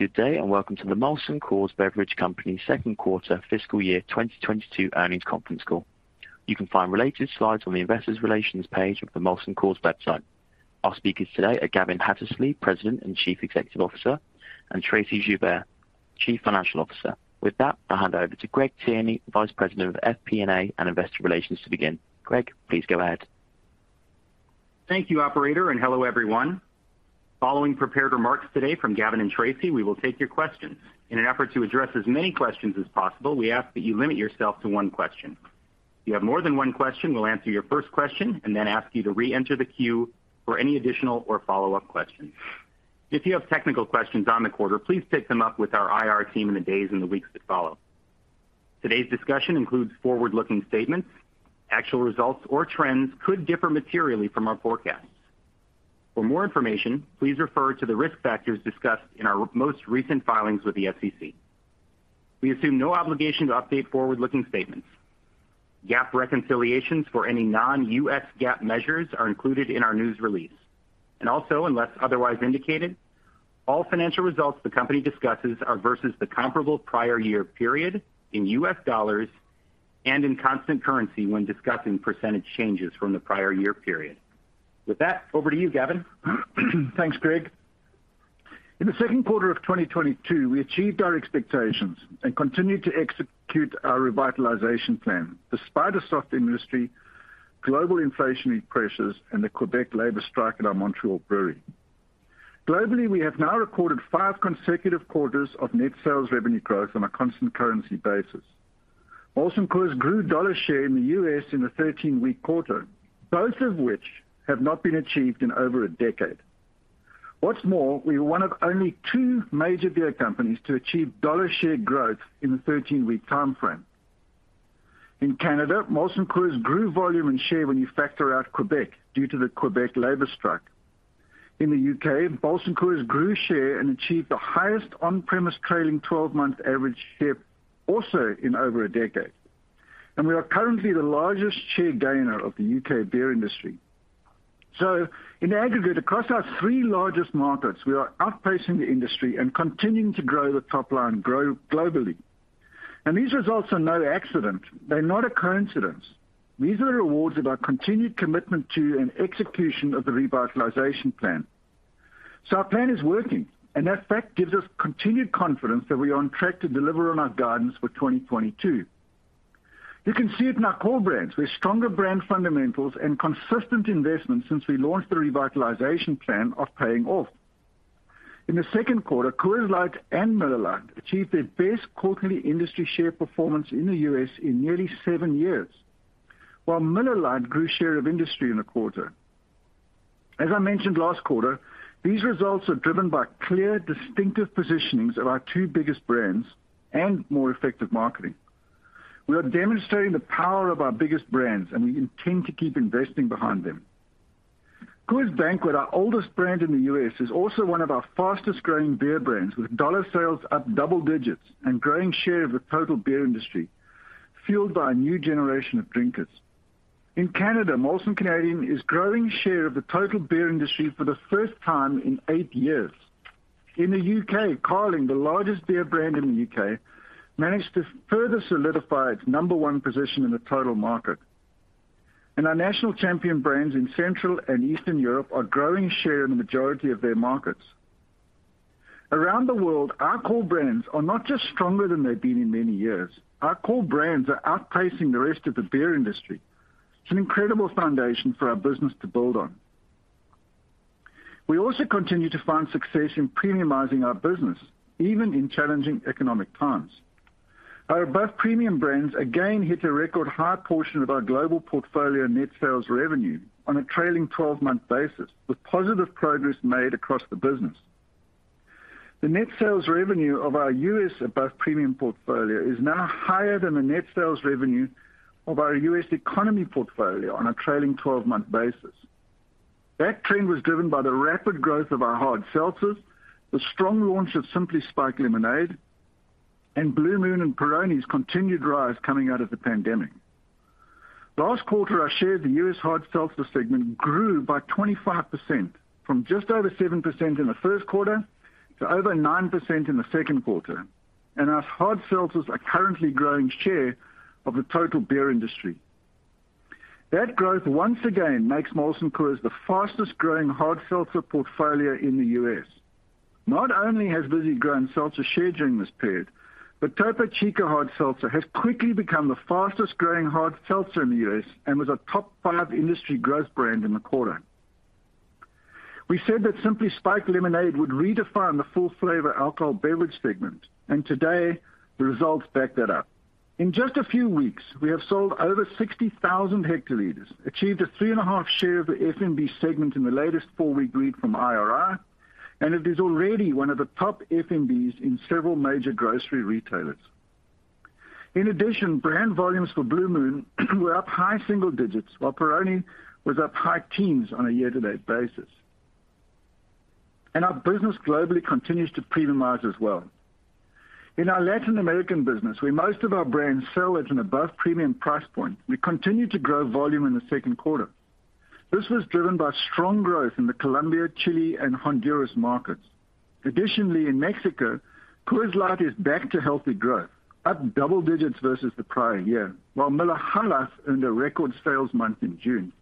Good day, and welcome to the Molson Coors Beverage Company Q2 fiscal year 2022 earnings conference call. You can find related slides on the Investor Relations page of the Molson Coors website. Our speakers today are Gavin Hattersley, President and Chief Executive Officer, and Tracey Joubert, Chief Financial Officer. With that, I'll hand over to Greg Tierney, Vice President of FP&A and Investor Relations to begin. Greg, please go ahead. Thank you, operator, and hello, everyone. Following prepared remarks today from Gavin and Tracey, we will take your questions. In an effort to address as many questions as possible, we ask that you limit yourself to one question. If you have more than one question, we'll answer your first question and then ask you to re-enter the queue for any additional or follow-up questions. If you have technical questions on the quarter, please take them up with our IR team in the days and the weeks that follow. Today's discussion includes forward-looking statements. Actual results or trends could differ materially from our forecasts. For more information, please refer to the risk factors discussed in our most recent filings with the SEC. We assume no obligation to update forward-looking statements. GAAP reconciliations for any non-GAAP measures are included in our news release. Also, unless otherwise indicated, all financial results the company discusses are versus the comparable prior year period in U.S. dollars and in constant currency when discussing percentage changes from the prior year period. With that, over to you, Gavin. Thanks, Greg. In the Q2 of 2022, we achieved our expectations and continued to execute our revitalization plan despite a soft industry, global inflationary pressures, and the Quebec labor strike at our Montreal brewery. Globally, we have now recorded five consecutive quarters of net sales revenue growth on a constant currency basis. Molson Coors grew dollar share in the U.S. in the 13-week quarter, both of which have not been achieved in over a decade. What's more, we were one of only two major beer companies to achieve dollar share growth in the 13-week timeframe. In Canada, Molson Coors grew volume and share when you factor out Quebec due to the Quebec labor strike. In the U.K., Molson Coors grew share and achieved the highest on-premise trailing 12-month average share also in over a decade. We are currently the largest share gainer of the U.K. beer industry. In aggregate, across our three largest markets, we are outpacing the industry and continuing to grow the top line globally. These results are no accident. They're not a coincidence. These are the rewards of our continued commitment to and execution of the revitalization plan. Our plan is working, and that fact gives us continued confidence that we are on track to deliver on our guidance for 2022. You can see it in our core brands, with stronger brand fundamentals and consistent investments since we launched the revitalization plan are paying off. In the Q2, Coors Light and Miller Lite achieved their best quarterly industry share performance in the U.S. in nearly seven years, while Miller Lite grew share of industry in the quarter. As I mentioned last quarter, these results are driven by clear, distinctive positionings of our two biggest brands and more effective marketing. We are demonstrating the power of our biggest brands, and we intend to keep investing behind them. Coors Banquet, our oldest brand in the U.S., is also one of our fastest-growing beer brands, with dollar sales up double digits and growing share of the total beer industry, fueled by a new generation of drinkers. In Canada, Molson Canadian is growing share of the total beer industry for the first time in eight years. In the U.K., Carling, the largest beer brand in the U.K., managed to further solidify its number one position in the total market. Our national champion brands in Central and Eastern Europe are growing share in the majority of their markets. Around the world, our core brands are not just stronger than they've been in many years. Our core brands are outpacing the rest of the beer industry. It's an incredible foundation for our business to build on. We also continue to find success in premiumizing our business, even in challenging economic times. Our Above Premium brands again hit a record high portion of our global portfolio net sales revenue on a trailing-twelve-month basis, with positive progress made across the business. The net sales revenue of our U.S. Above Premium portfolio is now higher than the net sales revenue of our U.S. Economy portfolio on a trailing-twelve-month basis. That trend was driven by the rapid growth of our hard seltzers, the strong launch of Simply Spiked Lemonade, and Blue Moon and Peroni's continued rise coming out of the pandemic. Last quarter, our share of the U.S. hard seltzer segment grew by 25% from just over 7% in the first quarter to over 9% in the Q2. Our hard seltzers are currently growing share of the total beer industry. That growth once again makes Molson Coors the fastest-growing hard seltzer portfolio in the U.S. Not only has Vizzy grown seltzer share during this period, but Topo Chico Hard Seltzer has quickly become the fastest-growing hard seltzer in the U.S. and was a top five industry growth brand in the quarter. We said that Simply Spiked Lemonade would redefine the full-flavor alcohol beverage segment, and today the results back that up. In just a few weeks, we have sold over 60,000 hectoliters, achieved a 3.5% share of the FMB segment in the latest 4-week read from IRI, and it is already one of the top FMBs in several major grocery retailers. In addition, brand volumes for Blue Moon were up high single digits, while Peroni was up high teens on a year-to-date basis. Our business globally continues to premiumize as well. In our Latin American business, where most of our brands sell at an Above Premium price point, we continue to grow volume in the Q2. This was driven by strong growth in the Colombia, Chile and Honduras markets. Additionally, in Mexico, Coors Light is back to healthy growth, up double digits versus the prior year, while Miller High Life earned a record sales month in June.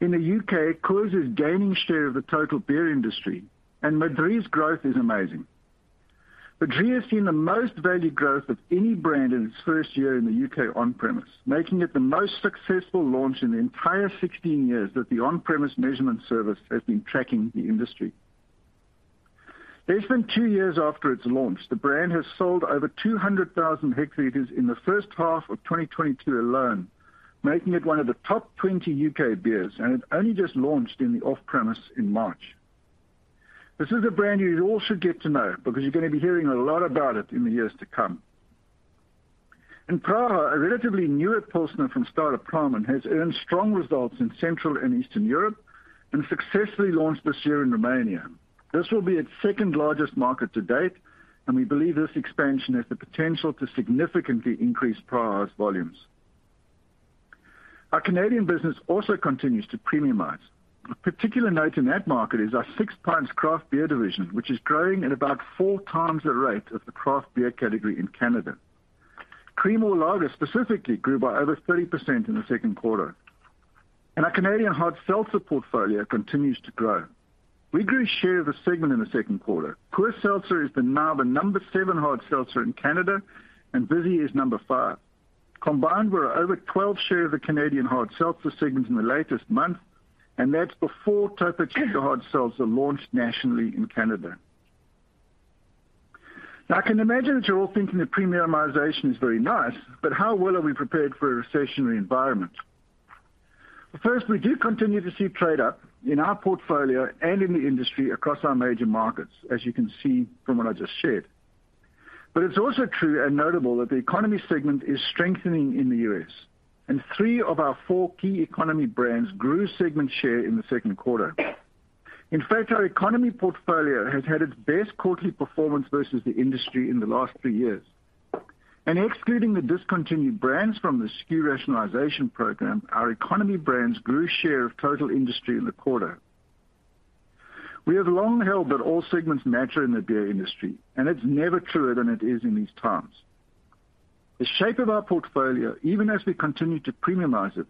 In the UK, Coors is gaining share of the total beer industry and Madrí's growth is amazing. Madrí has seen the most value growth of any brand in its first year in the UK on-premise, making it the most successful launch in the entire 16 years that the on-premise measurement service has been tracking the industry. Less than 2 years after its launch, the brand has sold over 200,000 hectoliters in the first half of 2022 alone, making it one of the top 20 UK beers, and it only just launched in the off-premise in March. This is a brand you all should get to know because you're gonna be hearing a lot about it in the years to come. In Praha, a relatively newer Pilsner from Staropramen, has earned strong results in Central and Eastern Europe and successfully launched this year in Romania. This will be its second-largest market to date, and we believe this expansion has the potential to significantly increase Praha's volumes. Our Canadian business also continues to premiumize. Of particular note in that market is our Six Pints Collective, which is growing at about four times the rate of the craft beer category in Canada. Creemore Lager specifically grew by over 30% in the Q2. Our Canadian hard seltzer portfolio continues to grow. We grew share of the segment in the Q2. Coors Seltzer is now the number 7 hard seltzer in Canada, and Vizzy is number 5. Combined, we're over 12% share of the Canadian hard seltzer segment in the latest month, and that's before Topo Chico Hard Seltzer launched nationally in Canada. Now, I can imagine that you're all thinking that premiumization is very nice, but how well are we prepared for a recessionary environment? First, we do continue to see trade-up in our portfolio and in the industry across our major markets, as you can see from what I just shared. It's also true and notable that the economy segment is strengthening in the U.S., and three of our four key economy brands grew segment share in the Q2. In fact, our economy portfolio has had its best quarterly performance versus the industry in the last three years. Excluding the discontinued brands from the SKU rationalization program, our economy brands grew share of total industry in the quarter. We have long held that all segments matter in the beer industry, and it's never truer than it is in these times. The shape of our portfolio, even as we continue to premiumize it,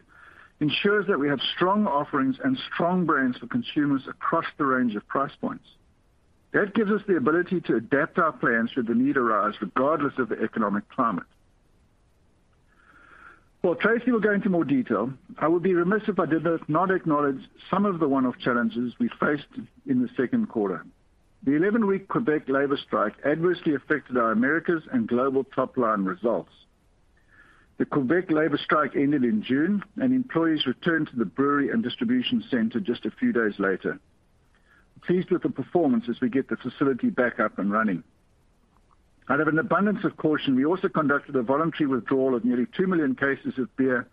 ensures that we have strong offerings and strong brands for consumers across the range of price points. That gives us the ability to adapt our plans should the need arise, regardless of the economic climate. While Tracey will go into more detail, I would be remiss if I did not acknowledge some of the one-off challenges we faced in the Q2. The 11-week Quebec labor strike adversely affected our Americas and global top-line results. The Quebec labor strike ended in June, and employees returned to the brewery and distribution center just a few days later. Pleased with the performance as we get the facility back up and running. Out of an abundance of caution, we also conducted a voluntary withdrawal of nearly 2 million cases of beer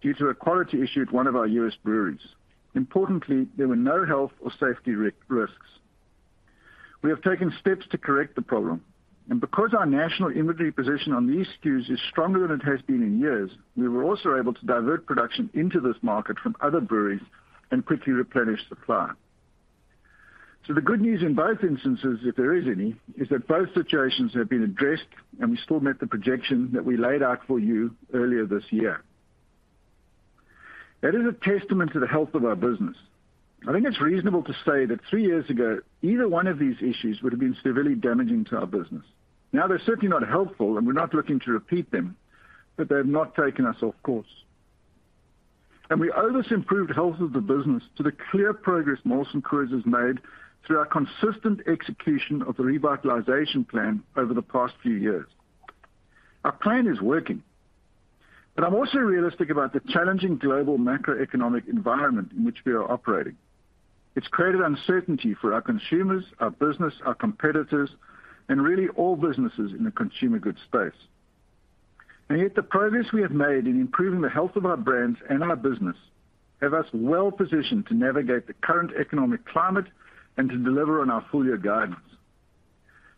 due to a quality issue at one of our U.S. breweries. Importantly, there were no health or safety risks. We have taken steps to correct the problem, and because our national inventory position on these SKUs is stronger than it has been in years, we were also able to divert production into this market from other breweries and quickly replenish supply. The good news in both instances, if there is any, is that both situations have been addressed and we still met the projection that we laid out for you earlier this year. That is a testament to the health of our business. I think it's reasonable to say that 3 years ago, either one of these issues would have been severely damaging to our business. Now, they're certainly not helpful, and we're not looking to repeat them, but they have not taken us off course. We owe this improved health of the business to the clear progress Molson Coors has made through our consistent execution of the revitalization plan over the past few years. Our plan is working, but I'm also realistic about the challenging global macroeconomic environment in which we are operating. It's created uncertainty for our consumers, our business, our competitors, and really all businesses in the consumer goods space. Yet the progress we have made in improving the health of our brands and our business have us well-positioned to navigate the current economic climate and to deliver on our full-year guidance.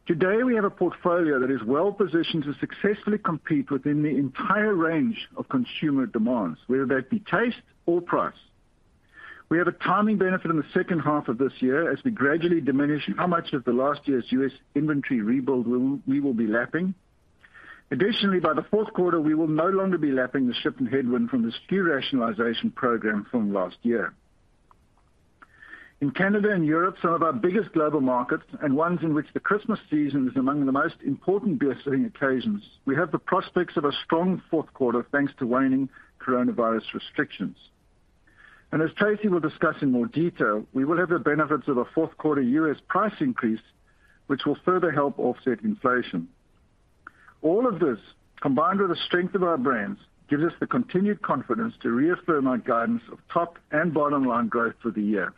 Today, we have a portfolio that is well-positioned to successfully compete within the entire range of consumer demands, whether that be taste or price. We have a timing benefit in the second half of this year as we gradually diminish how much of the last year's U.S. inventory rebuild we will be lapping. Additionally, by the Q4, we will no longer be lapping the shipping headwind from the SKU rationalization program from last year. In Canada and Europe, some of our biggest global markets and ones in which the Christmas season is among the most important beer-selling occasions, we have the prospects of a strong Q4, thanks to waning coronavirus restrictions. As Tracey will discuss in more detail, we will have the benefits of a Q4 U.S. price increase, which will further help offset inflation. All of this, combined with the strength of our brands, gives us the continued confidence to reaffirm our guidance of top and bottom-line growth for the year.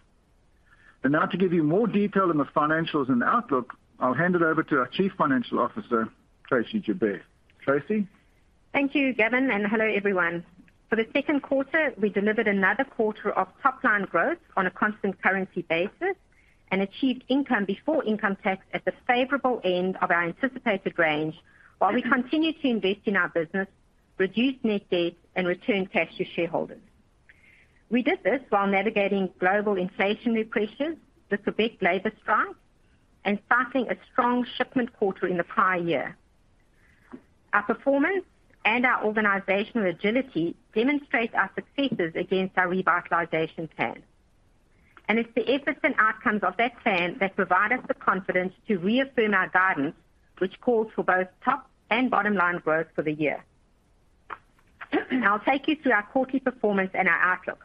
Now to give you more detail on the financials and outlook, I'll hand it over to our Chief Financial Officer, Tracey Joubert. Tracey? Thank you, Gavin, and hello, everyone. For the Q2, we delivered another quarter of top-line growth on a constant currency basis and achieved income before income tax at the favorable end of our anticipated range while we continued to invest in our business, reduce net debt and return cash to shareholders. We did this while navigating global inflationary pressures, the Quebec labor strike, and starting a strong shipment quarter in the prior year. Our performance and our organizational agility demonstrate our successes against our revitalization plan. It's the efforts and outcomes of that plan that provide us the confidence to reaffirm our guidance, which calls for both top and bottom-line growth for the year. I'll take you through our quarterly performance and our outlook.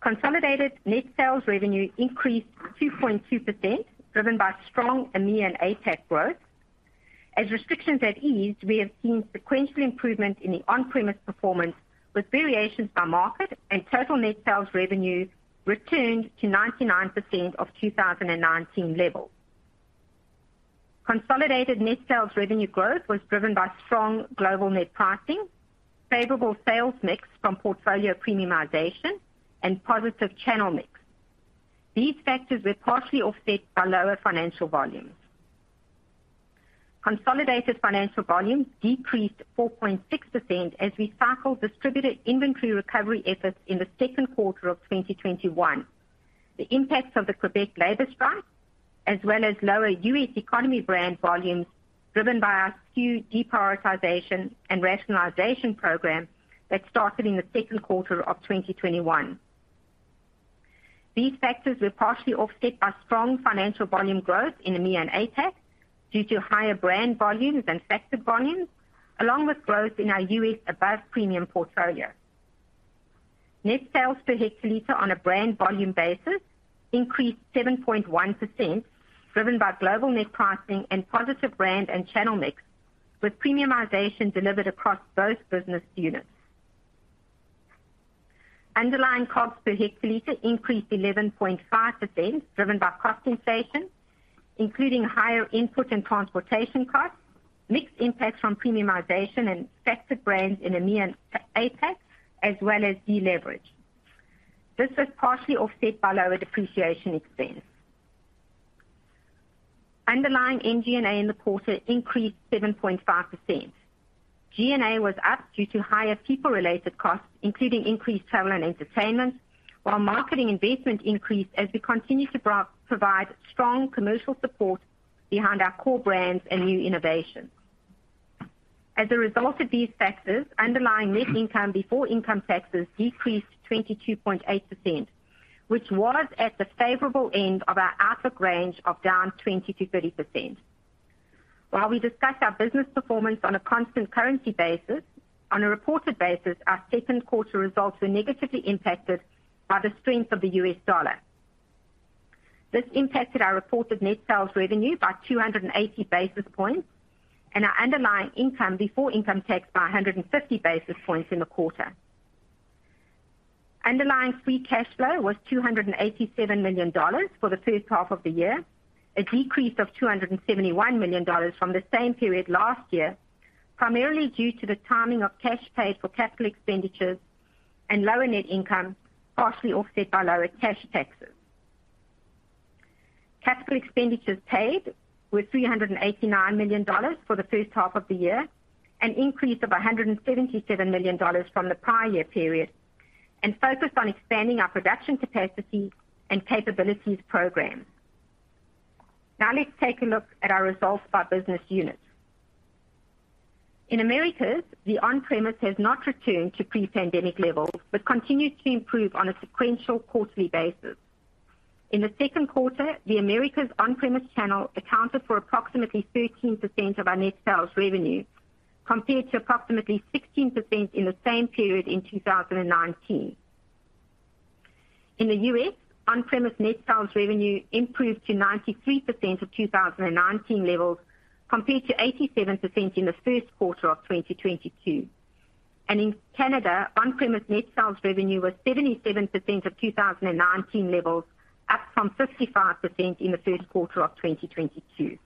Consolidated net sales revenue increased 2.2%, driven by strong EMEA and APAC growth. As restrictions ease, we have seen sequential improvement in the on-premise performance with variations by market, and total net sales revenue returned to 99% of 2019 levels. Consolidated net sales revenue growth was driven by strong global net pricing, favorable sales mix from portfolio premiumization and positive channel mix. These factors were partially offset by lower financial volumes. Consolidated financial volumes decreased 4.6% as we cycled distributor inventory recovery efforts in the Q2 of 2021. The impacts of the Quebec labor strike, as well as lower U.S. economy brand volumes, driven by our SKU deprioritization and rationalization program that started in the Q2 of 2021. These factors were partially offset by strong financial volume growth in EMEA and APAC due to higher brand volumes and factor volumes, along with growth in our U.S. Above Premium portfolio. Net sales per hectoliter on a brand volume basis increased 7.1%, driven by global net pricing and positive brand and channel mix, with premiumization delivered across both business units. Underlying costs per hectoliter increased 11.5%, driven by cost inflation, including higher input and transportation costs, mixed impacts from premiumization and factor brands in EMEA and APAC, as well as deleverage. This was partially offset by lower depreciation expense. Underlying SG&A in the quarter increased 7.5%. G&A was up due to higher people-related costs, including increased travel and entertainment, while marketing investment increased as we continue to provide strong commercial support behind our core brands and new innovations. As a result of these factors, underlying net income before income taxes decreased 22.8%, which was at the favorable end of our outlook range of down 20%-30%. While we discussed our business performance on a constant currency basis, on a reported basis, our Q2 results were negatively impacted by the strength of the U.S. dollar. This impacted our reported net sales revenue by 280 basis points and our underlying income before income tax by 150 basis points in the quarter. Underlying free cash flow was $287 million for the first half of the year, a decrease of $271 million from the same period last year, primarily due to the timing of cash paid for capital expenditures and lower net income, partially offset by lower cash taxes. Capital expenditures paid were $389 million for the first half of the year, an increase of $177 million from the prior year period, and focused on expanding our production capacity and capabilities program. Now let's take a look at our results by business unit. In Americas, the on-premise has not returned to pre-pandemic levels, but continued to improve on a sequential quarterly basis. In the Q2, the Americas on-premise channel accounted for approximately 13% of our net sales revenue, compared to approximately 16% in the same period in 2019. In the US, on-premise net sales revenue improved to 93% of 2019 levels, compared to 87% in the first quarter of 2022. In Canada, on-premise net sales revenue was 77% of 2019 levels, up from 55% in the first quarter of 2022.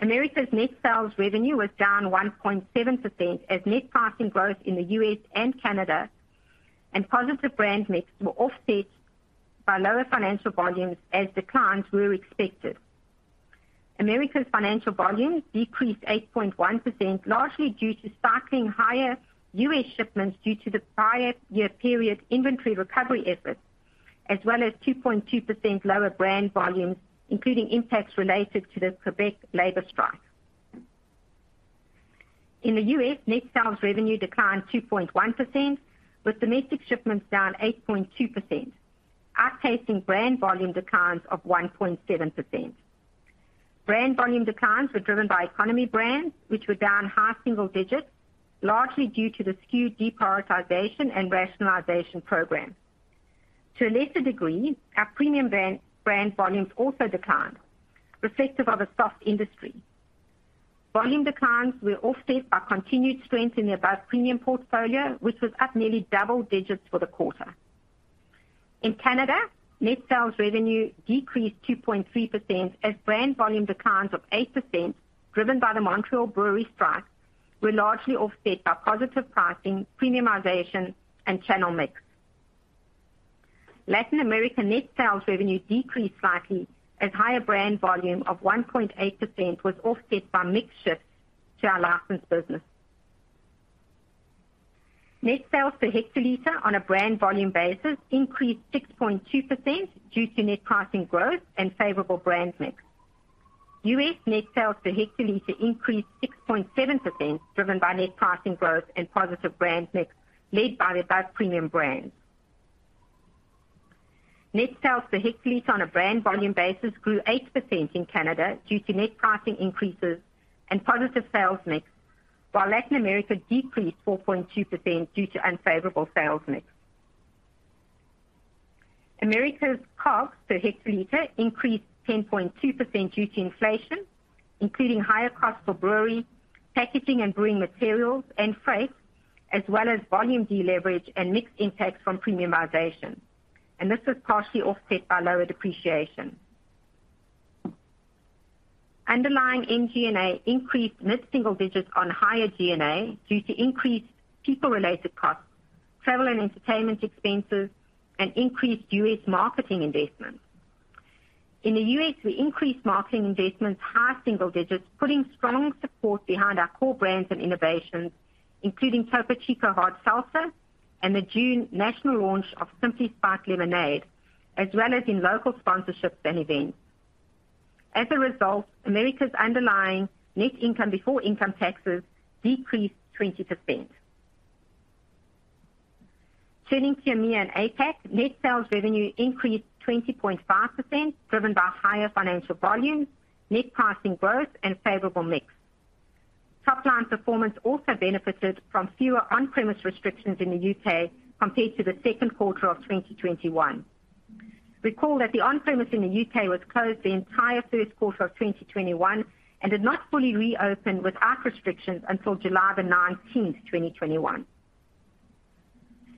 Americas net sales revenue was down 1.7% as net pricing growth in the U.S. and Canada and positive brand mix were offset by lower financial volumes as declines were expected. Americas financial volumes decreased 8.1%, largely due to cycling higher U.S. shipments due to the prior year period inventory recovery efforts, as well as 2.2% lower brand volumes, including impacts related to the Quebec labor strike. In the U.S., net sales revenue declined 2.1%, with domestic shipments down 8.2%, outpacing brand volume declines of 1.7%. Brand volume declines were driven by Economy brands, which were down high single digits, largely due to the SKU deprioritization and rationalization program. To a lesser degree, our premium brand volumes also declined, reflective of a soft industry. Volume declines were offset by continued strength in the Above Premium portfolio, which was up nearly double digits for the quarter. In Canada, net sales revenue decreased 2.3% as brand volume declines of 8%, driven by the Quebec labor strike, were largely offset by positive pricing, premiumization, and channel mix. Latin America net sales revenue decreased slightly as higher brand volume of 1.8% was offset by mix shifts to our license business. Net sales per hectoliter on a brand volume basis increased 6.2% due to net pricing growth and favorable brand mix. U.S. net sales per hectoliter increased 6.7%, driven by net pricing growth and positive brand mix led by the Above Premium brands. Net sales per hectoliter on a brand volume basis grew 8% in Canada due to net pricing increases and positive sales mix, while Latin America decreased 4.2% due to unfavorable sales mix. Americas' cost per hectoliter increased 10.2% due to inflation, including higher costs for brewery, packaging and brewing materials, and freight, as well as volume deleverage and mixed impacts from premiumization. This was partially offset by lower depreciation. Underlying SG&A increased mid-single digits on higher G&A due to increased people-related costs, travel and entertainment expenses, and increased U.S. marketing investments. In the US, we increased marketing investments high single digits, putting strong support behind our core brands and innovations, including Topo Chico Hard Seltzer and the June national launch of Simply Spiked Lemonade, as well as in local sponsorships and events. As a result, Americas' underlying net income before income taxes decreased 20%. Turning to EMEA and APAC, net sales revenue increased 20.5%, driven by higher financial volumes, net pricing growth, and favorable mix. Topline performance also benefited from fewer on-premise restrictions in the U.K. compared to the Q2 of 2021. Recall that the on-premise in the U.K. was closed the entire first quarter of 2021 and did not fully reopen without restrictions until July 19, 2021.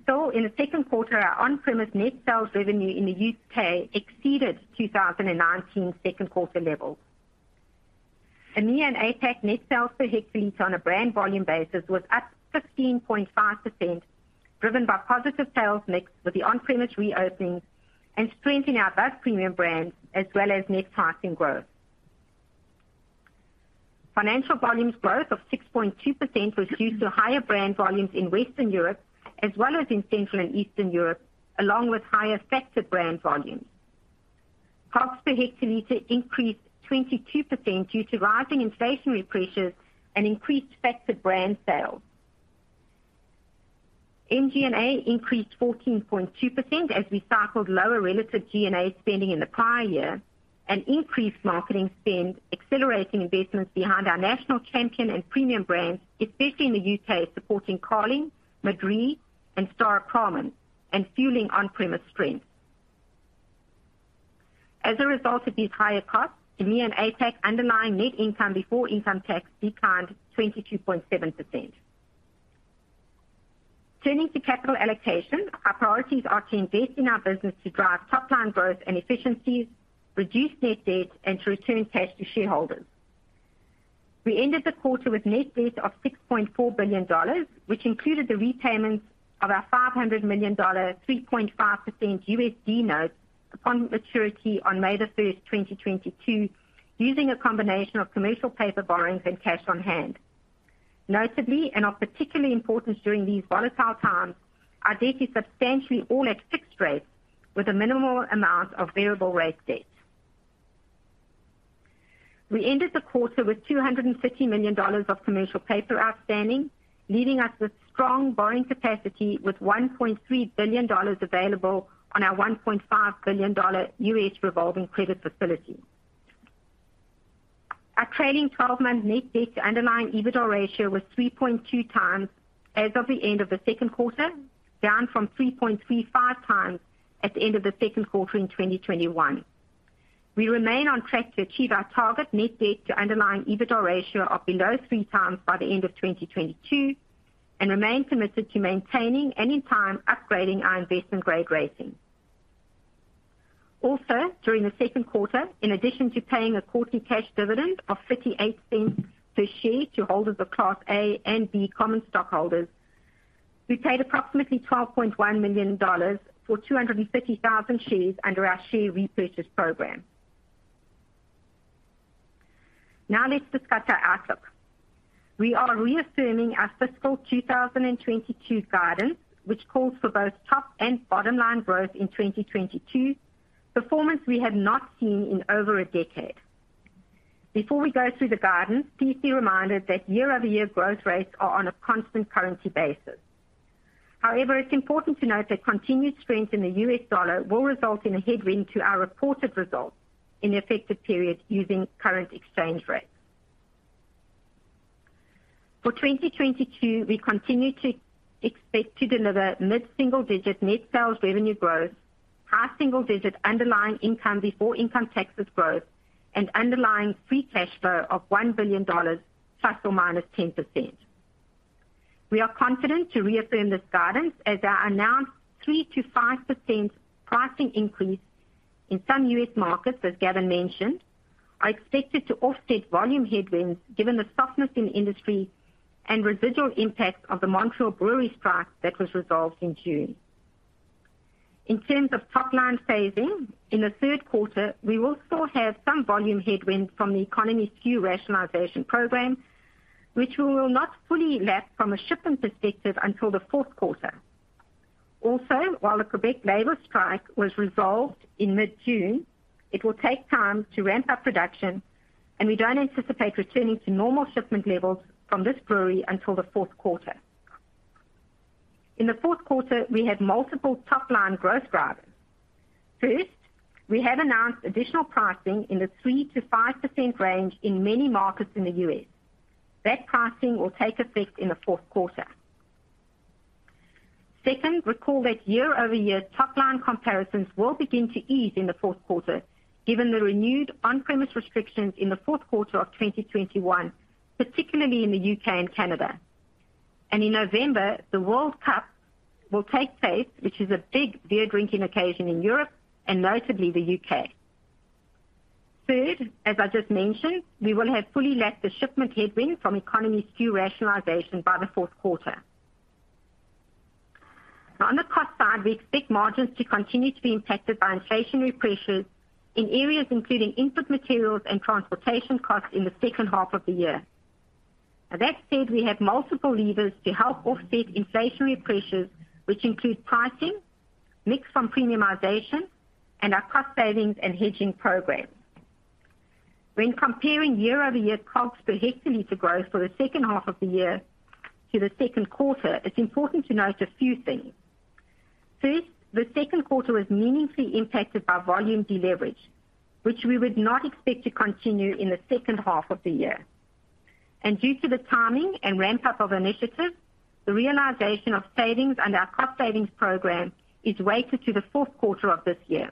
Still, in the Q2, our on-premise net sales revenue in the U.K. exceeded 2019 Q2 levels. EMEA and APAC net sales per hectoliter on a brand volume basis was up 15.5%, driven by positive sales mix with the on-premise reopening and strengthening our Above Premium brands as well as net pricing growth. Factored volumes growth of 6.2% was due to higher brand volumes in Western Europe as well as in Central and Eastern Europe, along with higher factor brand volumes. Cost per hectoliter increased 22% due to rising inflationary pressures and increased factored brand sales. MG&A increased 14.2% as we cycled lower relative G&A spending in the prior year and increased marketing spend, accelerating investments behind our national champion and premium brands, especially in the UK, supporting Carling, Madrí, and Staropramen, and fueling on-premise strength. As a result of these higher costs, EMEA and APAC underlying net income before income tax declined 22.7%. Turning to capital allocation, our priorities are to invest in our business to drive top line growth and efficiencies, reduce net debt, and to return cash to shareholders. We ended the quarter with net debt of $6.4 billion, which included the repayment of our $500 million, 3.5% USD note upon maturity on May 1, 2022, using a combination of commercial paper borrowings and cash on hand. Notably, and of particular importance during these volatile times, our debt is substantially all at fixed rates with a minimal amount of variable rate debt. We ended the quarter with $250 million of commercial paper outstanding, leaving us with strong borrowing capacity with $1.3 billion available on our $1.5 billion U.S. revolving credit facility. Our trailing twelve-month net debt to underlying EBITDA ratio was 3.2 times as of the end of the Q2, down from 3.35 times at the end of the Q2 in 2021. We remain on track to achieve our target net debt to underlying EBITDA ratio of below 3 times by the end of 2022 and remain committed to maintaining and in time, upgrading our investment-grade rating. Also, during the Q2, in addition to paying a quarterly cash dividend of $0.58 per share to holders of Class A and B common stockholders, we paid approximately $12.1 million for 250,000 shares under our share repurchase program. Now let's discuss our outlook. We are reaffirming our fiscal 2022 guidance, which calls for both top and bottom line growth in 2022, performance we have not seen in over a decade. Before we go through the guidance, please be reminded that year-over-year growth rates are on a constant currency basis. However, it's important to note that continued strength in the US dollar will result in a headwind to our reported results in the affected period using current exchange rates. For 2022, we continue to expect to deliver mid-single-digit net sales revenue growth, high single-digit underlying income before income taxes growth, and underlying free cash flow of $1 billion ±10%. We are confident to reaffirm this guidance as our announced 3%-5% pricing increase in some U.S. markets, as Gavin mentioned, are expected to offset volume headwinds given the softness in industry and residual impact of the Montreal brewery strike that was resolved in June. In terms of top line phasing, in the Q3, we will still have some volume headwinds from the Economy SKU rationalization program, which we will not fully lap from a shipping perspective until the Q4. While the Quebec labor strike was resolved in mid-June, it will take time to ramp up production, and we don't anticipate returning to normal shipment levels from this brewery until the Q4. In the Q4, we have multiple top line growth drivers. First, we have announced additional pricing in the 3%-5% range in many markets in the U.S. That pricing will take effect in the Q4. Second, recall that year-over-year top line comparisons will begin to ease in the Q4 given the renewed on-premise restrictions in the Q4 of 2021, particularly in the U.K. and Canada. In November, the World Cup will take place, which is a big beer drinking occasion in Europe and notably the U.K. Third, as I just mentioned, we will have fully lapped the shipment headwind from Economy SKU rationalization by the Q4. Now on the cost side, we expect margins to continue to be impacted by inflationary pressures in areas including input materials and transportation costs in the second half of the year. Now that said, we have multiple levers to help offset inflationary pressures, which include pricing, mix from premiumization, and our cost savings and hedging programs. When comparing year-over-year COGS per hectoliter growth for the second half of the year to the Q2, it's important to note a few things. First, the Q2 was meaningfully impacted by volume deleverage, which we would not expect to continue in the second half of the year. Due to the timing and ramp up of initiatives, the realization of savings under our cost savings program is weighted to the Q4 of this year.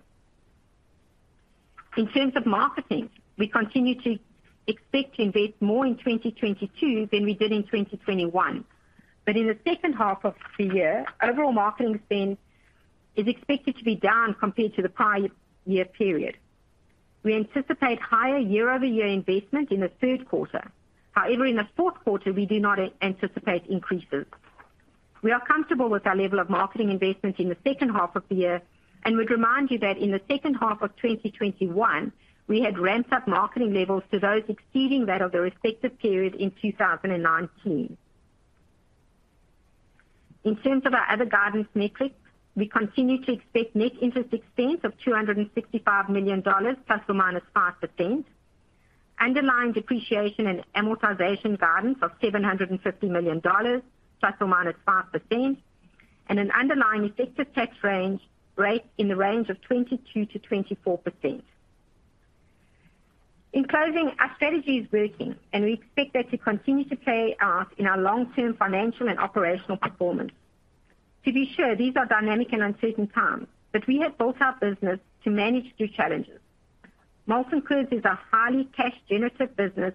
In terms of marketing, we continue to expect to invest more in 2022 than we did in 2021. In the second half of the year, overall marketing spend is expected to be down compared to the prior year period. We anticipate higher year-over-year investment in the Q3. However, in the Q4, we do not anticipate increases. We are comfortable with our level of marketing investments in the second half of the year and would remind you that in the second half of 2021, we had ramped up marketing levels to those exceeding that of the respective period in 2019. In terms of our other guidance metrics, we continue to expect net interest expense of $265 million ±5%, underlying depreciation and amortization guidance of $750 million ±5%, and an underlying effective tax rate in the range of 22%-24%. In closing, our strategy is working, and we expect that to continue to play out in our long-term financial and operational performance. To be sure, these are dynamic and uncertain times, but we have built our business to manage through challenges. Molson Coors is a highly cash generative business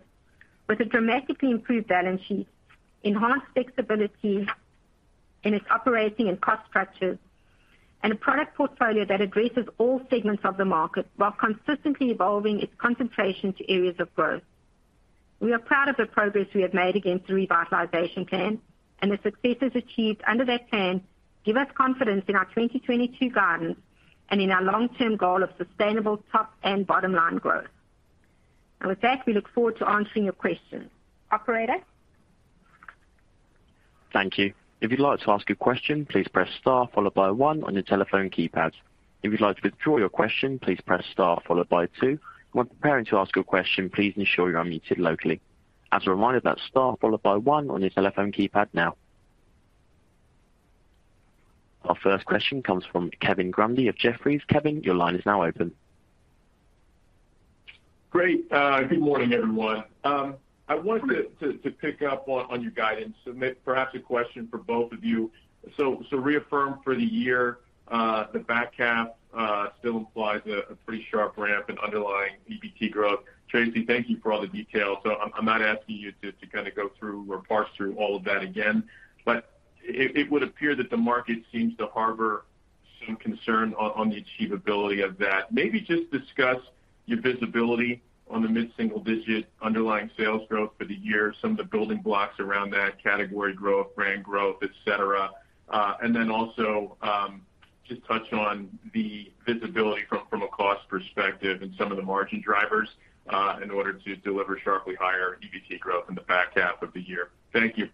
with a dramatically improved balance sheet, enhanced flexibility in its operating and cost structures, and a product portfolio that addresses all segments of the market while consistently evolving its concentration to areas of growth. We are proud of the progress we have made against the revitalization plan and the successes achieved under that plan give us confidence in our 2022 guidance and in our long-term goal of sustainable top and bottom line growth. With that, we look forward to answering your questions. Operator? Thank you. If you'd like to ask a question, please press star followed by one on your telephone keypad. If you'd like to withdraw your question, please press star followed by two. When preparing to ask a question, please ensure you're unmuted locally. As a reminder, that's star followed by one on your telephone keypad now. Our first question comes from Kevin Grundy of Jefferies. Kevin, your line is now open. Great. Good morning, everyone. I wanted to pick up on your guidance. Perhaps a question for both of you. Reaffirm for the year, the back half still implies a pretty sharp ramp in underlying EBT growth. Tracey, thank you for all the details. I'm not asking you to kinda go through or parse through all of that again. It would appear that the market seems to harbor some concern on the achievability of that. Maybe just discuss your visibility on the mid-single digit underlying sales growth for the year, some of the building blocks around that category growth, brand growth, et cetera. Also, just touch on the visibility from a cost perspective and some of the margin drivers, in order to deliver sharply higher EBT growth in the back half of the year. Thank you.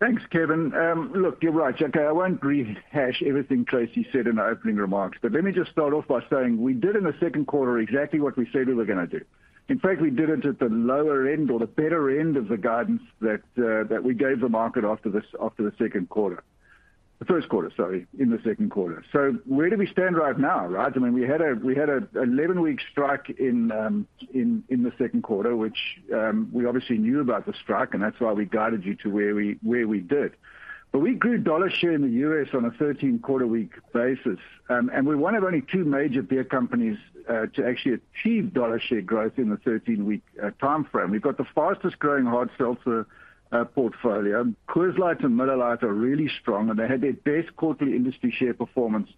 Thanks, Kevin. Look, you're right. Okay, I won't rehash everything Tracey said in her opening remarks. Let me just start off by saying we did in the Q2 exactly what we said we were gonna do. In fact, we did it at the lower end or the better end of the guidance that we gave the market after the Q2. In the Q2. Where do we stand right now, right? I mean, we had an 11-week strike in the Q2, which we obviously knew about the strike, and that's why we guided you to where we did. But we grew dollar share in the US on a 13-week basis, and we're one of only two major beer companies to actually achieve dollar share growth in the 13-week timeframe. We've got the fastest-growing hard seltzer portfolio. Coors Light and Miller Lite are really strong, and they had their best quarterly industry share performance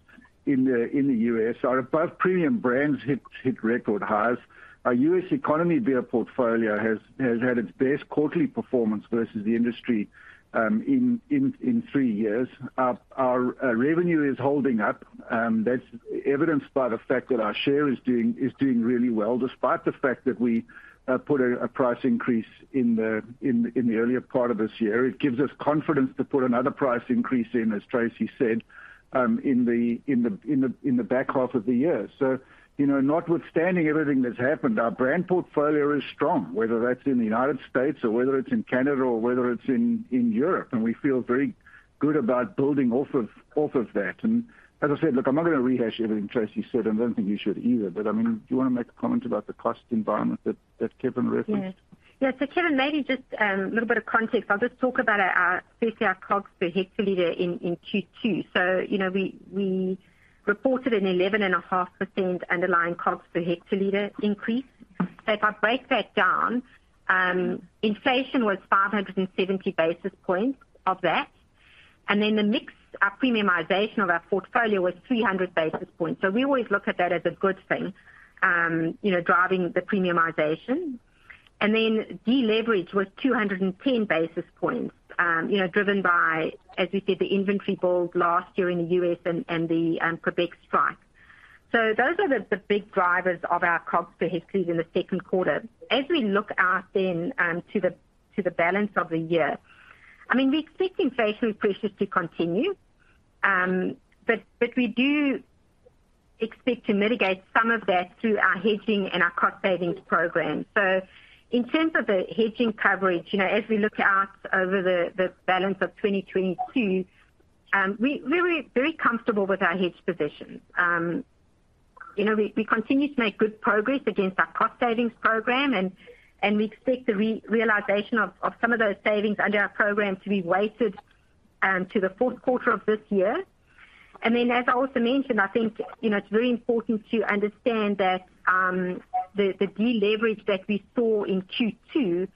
in the US. Our Above Premium brands hit record highs. Our US economy beer portfolio has had its best quarterly performance versus the industry in three years. Our revenue is holding up. That's evidenced by the fact that our share is doing really well, despite the fact that we put a price increase in the earlier part of this year. It gives us confidence to put another price increase in, as Tracey said, in the back half of the year. You know, notwithstanding everything that's happened, our brand portfolio is strong, whether that's in the United States or whether it's in Canada or whether it's in Europe, and we feel very good about building off of that. As I said, look, I'm not gonna rehash everything Tracey said, and I don't think you should either, but I mean, do you wanna make a comment about the cost environment that Kevin referenced? Kevin, maybe just a little bit of context. I'll just talk about especially our COGS per hectoliter in Q2. You know, we reported an 11.5% underlying COGS per hectoliter increase. If I break that down, inflation was 570 basis points of that. Then the mix, our premiumization of our portfolio was 300 basis points. We always look at that as a good thing, you know, driving the premiumization. Then deleverage was 210 basis points, you know, driven by, as we said, the inventory build last year in the U.S. and the Quebec strike. Those are the big drivers of our COGS per hecto in the Q2. As we look out then to the balance of the year, I mean, we expect inflationary pressures to continue. We do expect to mitigate some of that through our hedging and our cost savings program. In terms of the hedging coverage, you know, as we look out over the balance of 2022, we're very comfortable with our hedge positions. You know, we continue to make good progress against our cost savings program and we expect the realization of some of those savings under our program to be weighted to the Q4 of this year. As I also mentioned, I think, you know, it's very important to understand that, the deleverage that we saw in Q2,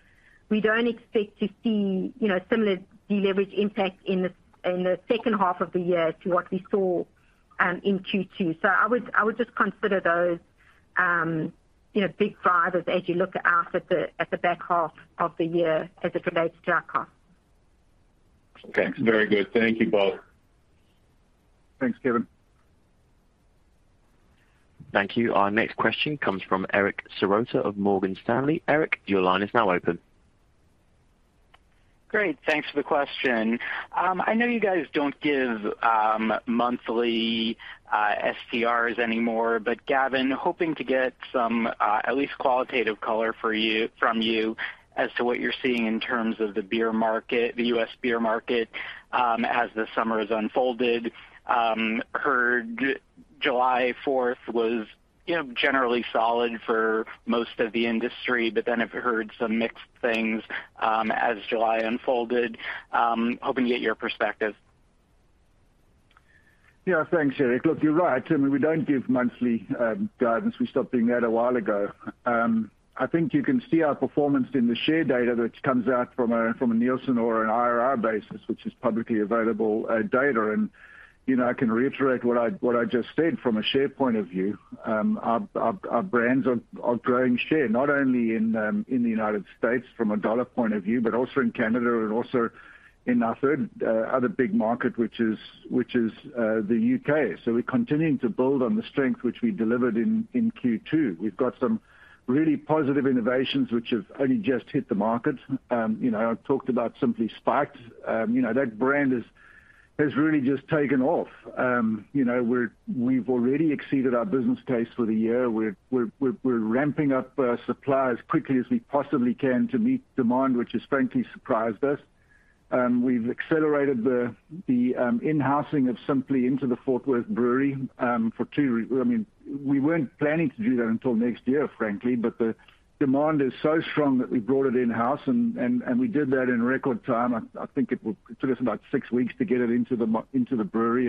we don't expect to see, you know, similar deleverage impact in the second half of the year to what we saw in Q2. So I would just consider those, you know, big drivers as you look out at the back half of the year as it relates to our costs. Okay. Very good. Thank you both. Thanks, Kevin. Thank you. Our next question comes from Erik Serota of Morgan Stanley. Erik, your line is now open. Great. Thanks for the question. I know you guys don't give monthly STRs anymore, but Gavin, hoping to get some at least qualitative color from you as to what you're seeing in terms of the beer market, the U.S. beer market, as the summer has unfolded. Heard July Fourth was, you know, generally solid for most of the industry, but then I've heard some mixed things as July unfolded. Hoping to get your perspective. Yeah. Thanks, Erik Serota. Look, you're right. I mean, we don't give monthly guidance. We stopped doing that a while ago. I think you can see our performance in the share data that comes out from a Nielsen or an IRI basis, which is publicly available data. You know, I can reiterate what I just said from a share point of view. Our brands are growing share, not only in the United States from a dollar point of view, but also in Canada and also in our third other big market, which is the U.K. We're continuing to build on the strength which we delivered in Q2. We've got some really positive innovations which have only just hit the market. You know, I've talked about Simply Spiked. You know, that brand has really just taken off. You know, we've already exceeded our business case for the year. We're ramping up supply as quickly as we possibly can to meet demand, which has frankly surprised us. We've accelerated the in-housing of Simply into the Fort Worth brewery. I mean, we weren't planning to do that until next year, frankly, but the demand is so strong that we brought it in-house and we did that in record time. I think it took us about 6 weeks to get it into the brewery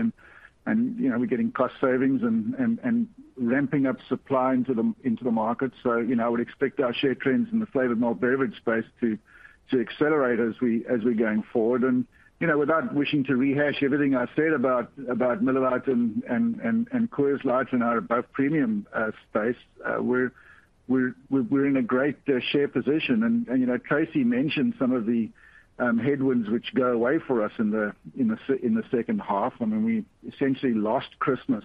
and, you know, we're getting cost savings and ramping up supply into the market. You know, I would expect our share trends in the flavored malt beverage space to accelerate as we're going forward. You know, without wishing to rehash everything I said about Miller Lite and Coors Light and our Above Premium space, we're in a great share position. You know, Tracy mentioned some of the headwinds which go away for us in the second half. I mean, we essentially lost Christmas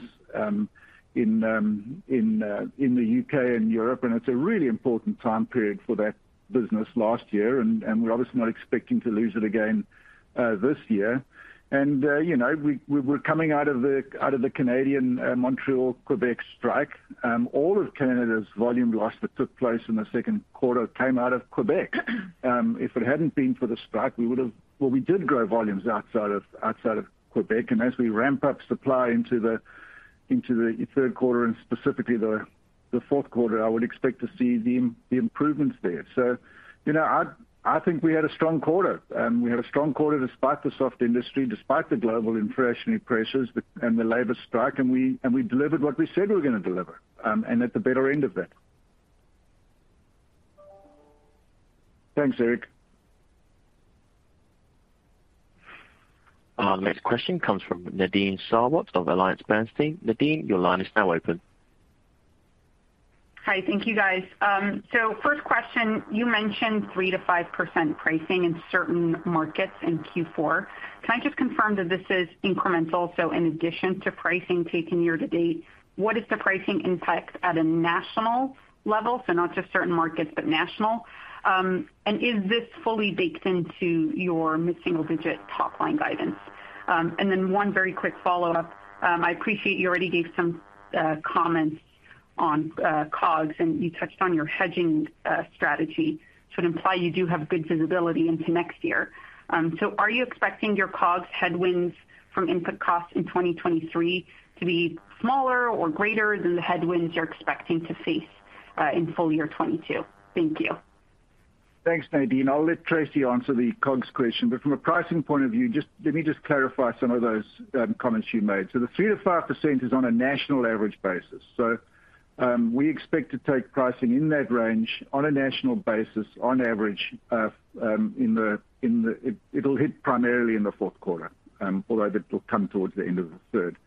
in the UK and Europe, and it's a really important time period for that business last year. We're obviously not expecting to lose it again this year. You know, we're coming out of the Canadian Montreal Quebec strike. All of Canada's volume loss that took place in the Q2 came out of Quebec. If it hadn't been for the strike, we did grow volumes outside of Quebec. As we ramp up supply into the Q3 and specifically the Q4, I would expect to see the improvements there. You know, I think we had a strong quarter. We had a strong quarter despite the soft industry, despite the global inflationary pressures and the labor strike, and we delivered what we said we were gonna deliver, and at the better end of that. Thanks, Eric. Our next question comes from Nadine Sarwat of Bernstein. Nadine, your line is now open. Hi. Thank you, guys. First question, you mentioned 3%-5% pricing in certain markets in Q4. Can I just confirm that this is incremental, so in addition to pricing taken year to date? What is the pricing impact at a national level, so not just certain markets, but national? Is this fully baked into your mid-single-digit top line guidance? One very quick follow-up. I appreciate you already gave some comments on COGS, and you touched on your hedging strategy to imply you do have good visibility into next year. Are you expecting your COGS headwinds from input costs in 2023 to be smaller or greater than the headwinds you're expecting to face in full year 2022? Thank you. Thanks, Nadine. I'll let Tracey answer the COGS question. From a pricing point of view, let me just clarify some of those comments you made. The 3%-5% is on a national average basis. We expect to take pricing in that range on a national basis on average. It'll hit primarily in the Q4, although that will come towards the end of the third.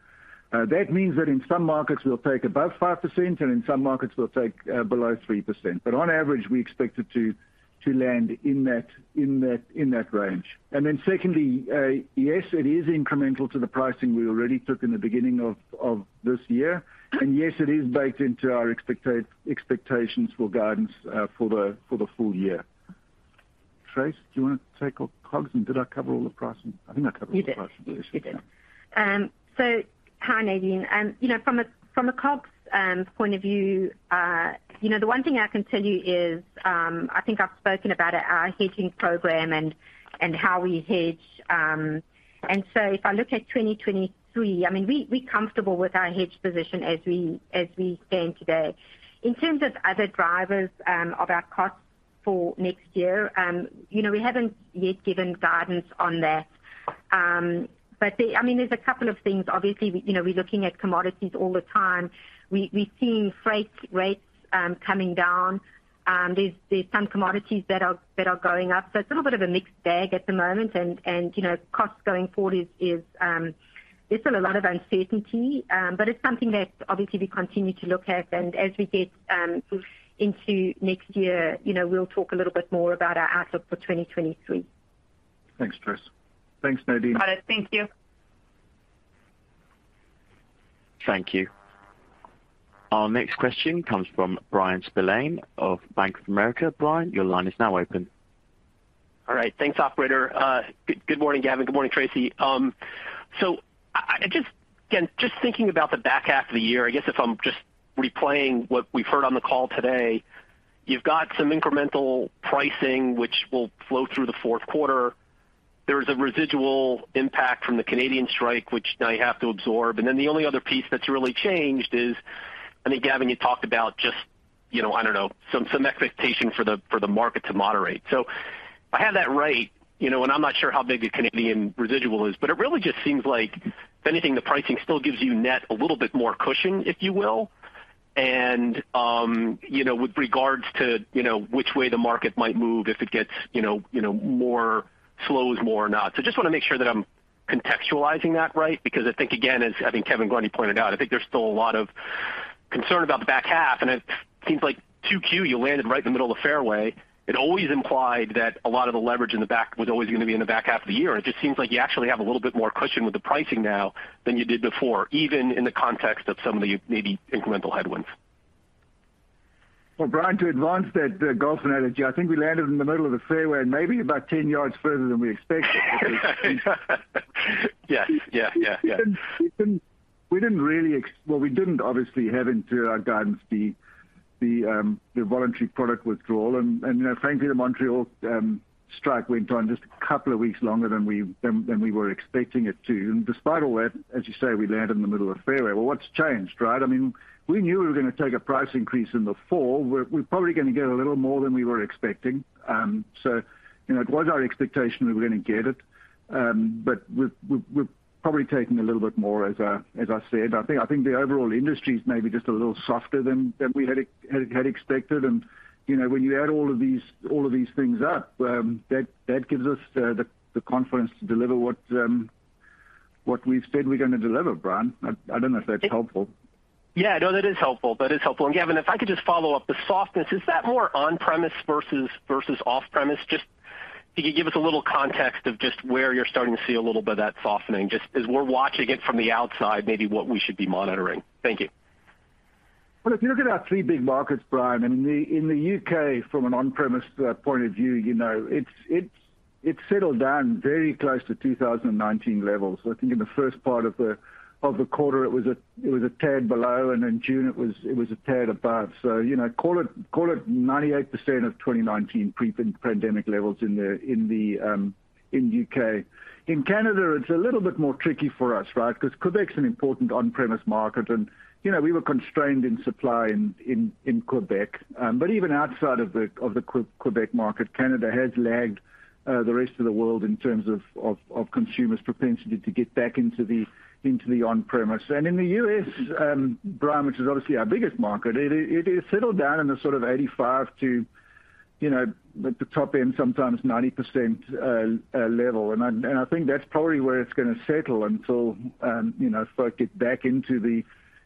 That means that in some markets we'll take above 5%, and in some markets we'll take below 3%. On average, we expect it to land in that range. Then secondly, yes, it is incremental to the pricing we already took in the beginning of this year. Yes, it is baked into our expectations for guidance for the full year. Tracey, do you wanna take on COGS and did I cover all the pricing? I think I covered all the pricing. You did. Hi, Nadine. You know, from a COGS point of view, you know, the one thing I can tell you is, I think I've spoken about our hedging program and how we hedge. If I look at 2023, I mean, we're comfortable with our hedge position as we stand today. In terms of other drivers of our costs for next year, you know, we haven't yet given guidance on that. I mean, there's a couple of things. Obviously, you know, we're looking at commodities all the time. We've seen freight rates coming down. There's some commodities that are going up, so it's a little bit of a mixed bag at the moment and, you know, costs going forward is, there's still a lot of uncertainty. But it's something that obviously we continue to look at. As we get into next year, you know, we'll talk a little bit more about our outlook for 2023. Thanks, Tracey. Thanks, Nadine. Got it. Thank you. Thank you. Our next question comes from Bryan Spillane of Bank of America. Brian, your line is now open. All right. Thanks, operator. Good morning, Gavin. Good morning, Tracy. I just again, just thinking about the back half of the year, I guess if I'm just replaying what we've heard on the call today, you've got some incremental pricing which will flow through the Q4. There's a residual impact from the Canadian strike, which now you have to absorb. Then the only other piece that's really changed is, I think, Gavin, you talked about just, you know, I don't know, some expectation for the market to moderate. If I have that right, you know, and I'm not sure how big the Canadian residual is, but it really just seems like if anything, the pricing still gives you net a little bit more cushion, if you will. You know, with regards to which way the market might move if it gets you know more slowdown or not. Just wanna make sure that I'm contextualizing that right because I think, again, as I think Kevin Grundy pointed out, I think there's still a lot of concern about the back half and it seems like 2Q you landed right in the middle of the fairway. It always implied that a lot of the leverage in the back was always gonna be in the back half of the year. It just seems like you actually have a little bit more cushion with the pricing now than you did before, even in the context of some of the maybe incremental headwinds. Well, Bryan, to advance that golfing analogy, I think we landed in the middle of the fairway and maybe about 10 yards further than we expected. Yeah. We didn't really have in our guidance the voluntary product withdrawal and you know frankly the Montreal strike went on just a couple of weeks longer than we were expecting it to. Despite all that, as you say, we landed in the middle of fairway. Well, what's changed, right? I mean, we knew we were gonna take a price increase in the fall. We're probably gonna get a little more than we were expecting. So, you know, it was our expectation that we were gonna get it. But we're probably taking a little bit more as I said. I think the overall industry is maybe just a little softer than we had expected. You know, when you add all of these things up, that gives us the confidence to deliver what we've said we're gonna deliver, Bryan. I don't know if that's helpful. Yeah. No, that is helpful. That is helpful. Gavin, if I could just follow up. The softness, is that more on-premise versus off-premise? Just if you could give us a little context of just where you're starting to see a little bit of that softening just as we're watching it from the outside, maybe what we should be monitoring. Thank you. Well, if you look at our three big markets, Bryan Spillane, I mean, in the U.K. from an on-premise point of view, you know, it settled down very close to 2019 levels. I think in the first part of the quarter, it was a tad below, and in June it was a tad above. You know, call it 98% of 2019 pre-pandemic levels in the U.K. In Canada, it's a little bit more tricky for us, right? 'Cause Quebec's an important on-premise market and, you know, we were constrained in supply in Quebec. Even outside of the Quebec market, Canada has lagged the rest of the world in terms of consumers' propensity to get back into the on-premise. In the U.S., Bryan, which is obviously our biggest market, it settled down in the sort of 85% to, you know, at the top end, sometimes 90%, level. I think that's probably where it's gonna settle until, you know, folk get back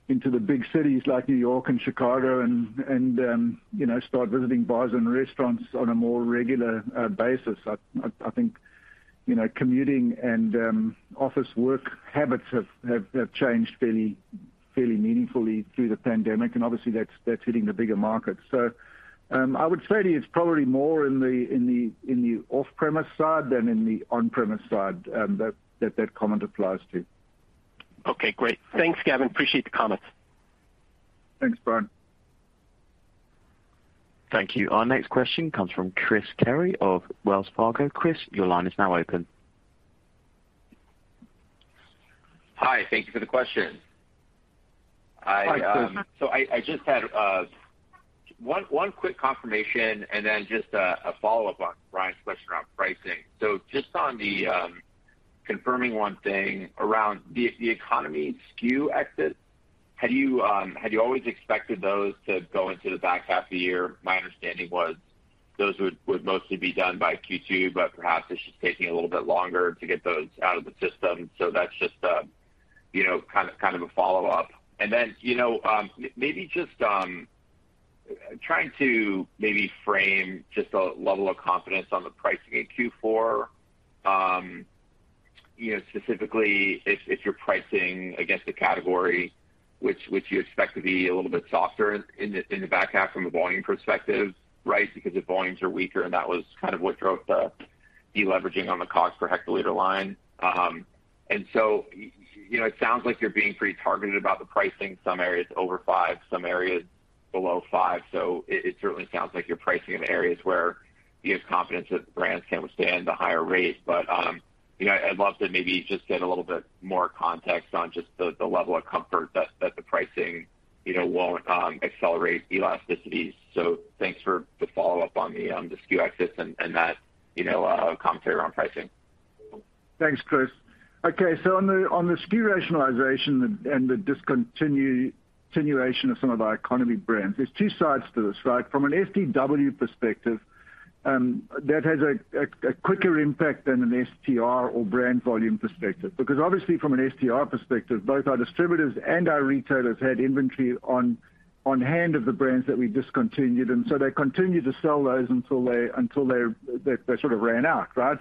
into the big cities like New York and Chicago and, you know, start visiting bars and restaurants on a more regular basis. I think, you know, commuting and office work habits have changed fairly meaningfully through the pandemic, and obviously that's hitting the bigger markets. I would say to you it's probably more in the off-premise side than in the on-premise side, that comment applies to. Okay, great. Thanks, Gavin. Appreciate the comments. Thanks, Bryan. Thank you. Our next question comes from Christopher Carey of Wells Fargo. Chris, your line is now open. Hi. Thank you for the question. Hi, Chris. I just had one quick confirmation and then just a follow-up on Bryan's question around pricing. Just on confirming one thing around the economy SKU exits, had you always expected those to go into the back half of the year? My understanding was those would mostly be done by Q2, but perhaps it's just taking a little bit longer to get those out of the system. That's just you know kind of a follow-up. Then you know maybe just trying to maybe frame just a level of confidence on the pricing in Q4. You know specifically if you're pricing against a category which you expect to be a little bit softer in the back half from a volume perspective, right? Because the volumes are weaker, and that was kind of what drove the deleveraging on the cost per hectoliter line. You know, it sounds like you're being pretty targeted about the pricing, some areas over 5%, some areas below 5%. It certainly sounds like you're pricing in areas where you have confidence that the brands can withstand the higher rates. You know, I'd love to maybe just get a little bit more context on just the level of comfort that the pricing won't accelerate elasticities. Thanks for the follow-up on the SKU exits and that commentary around pricing. Thanks, Chris. Okay, on the SKU rationalization and the discontinuation of some of our economy brands, there's two sides to this, right? From an STW perspective, that has a quicker impact than an STR or brand volume perspective. Because obviously from an STR perspective, both our distributors and our retailers had inventory on hand of the brands that we discontinued, and so they continued to sell those until they sort of ran out, right?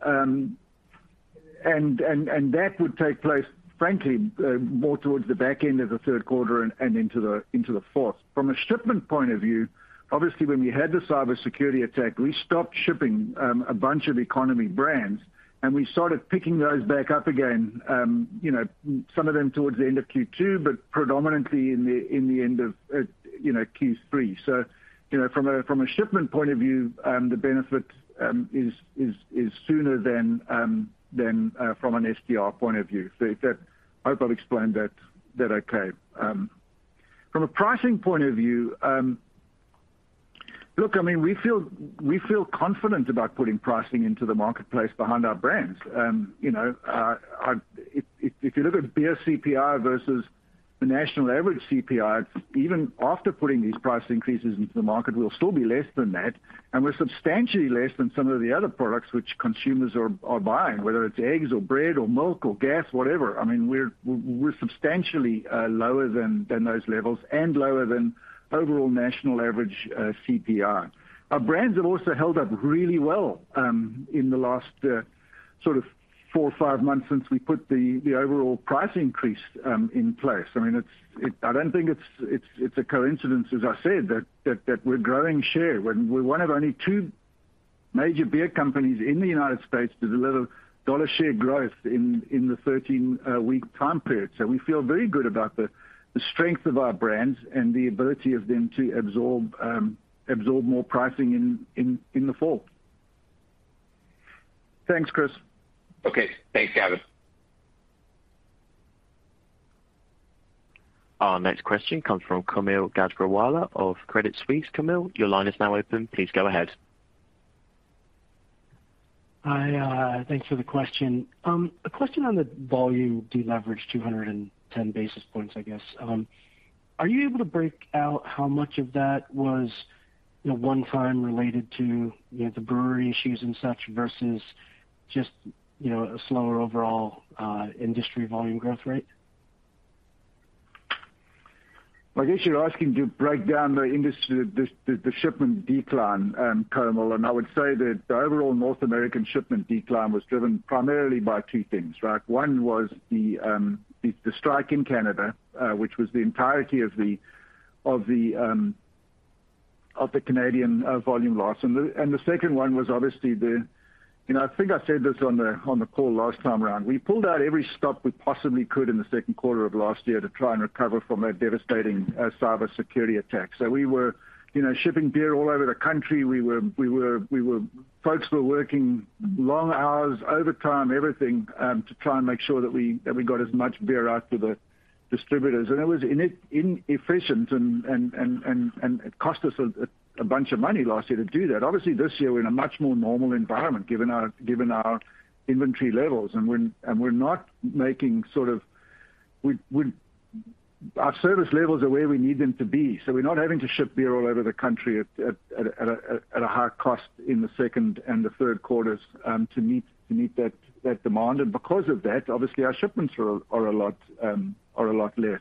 That would take place, frankly, more towards the back end of the Q3 and into the fourth. From a shipment point of view, obviously, when we had the cybersecurity attack, we stopped shipping a bunch of economy brands, and we started picking those back up again, you know, some of them towards the end of Q2, but predominantly in the end of, you know, Q3. You know, from a shipment point of view, the benefit is sooner than from an STR point of view. It's that. I hope I've explained that okay. From a pricing point of view, look, I mean, we feel confident about putting pricing into the marketplace behind our brands. You know, if you look at beer CPI versus the national average CPI, even after putting these price increases into the market, we'll still be less than that, and we're substantially less than some of the other products which consumers are buying, whether it's eggs or bread or milk or gas, whatever. I mean, we're substantially lower than those levels and lower than overall national average CPI. Our brands have also held up really well in the last sort of four or five months since we put the overall price increase in place. I mean, I don't think it's a coincidence, as I said, that we're growing share when we're one of only two major beer companies in the United States to deliver dollar share growth in the 13-week time period. We feel very good about the strength of our brands and the ability of them to absorb more pricing in the fall. Thanks, Chris. Okay. Thanks, Gavin. Our next question comes from Kaumil Gajrawala of Credit Suisse. Kaumil, your line is now open. Please go ahead. Hi, thanks for the question. A question on the volume deleverage, 210 basis points, I guess. Are you able to break out how much of that was, you know, one-time related to, you know, the brewery issues and such versus just, you know, a slower overall industry volume growth rate? I guess you're asking to break down the industry, the shipment decline, Kaumil, and I would say that the overall North American shipment decline was driven primarily by two things, right? One was the strike in Canada, which was the entirety of the Canadian volume loss. The second one was obviously the... You know, I think I said this on the call last time around. We pulled out every stop we possibly could in the Q2 of last year to try and recover from that devastating cybersecurity attack. We were, you know, shipping beer all over the country. Folks were working long hours, overtime, everything, to try and make sure that we got as much beer out to the distributors. It was inefficient and it cost us a bunch of money last year to do that. Obviously, this year we're in a much more normal environment, given our inventory levels and we're not making sort of. Our service levels are where we need them to be, so we're not having to ship beer all over the country at a high cost in the second and the Q3s to meet that demand. Because of that, obviously our shipments are a lot less.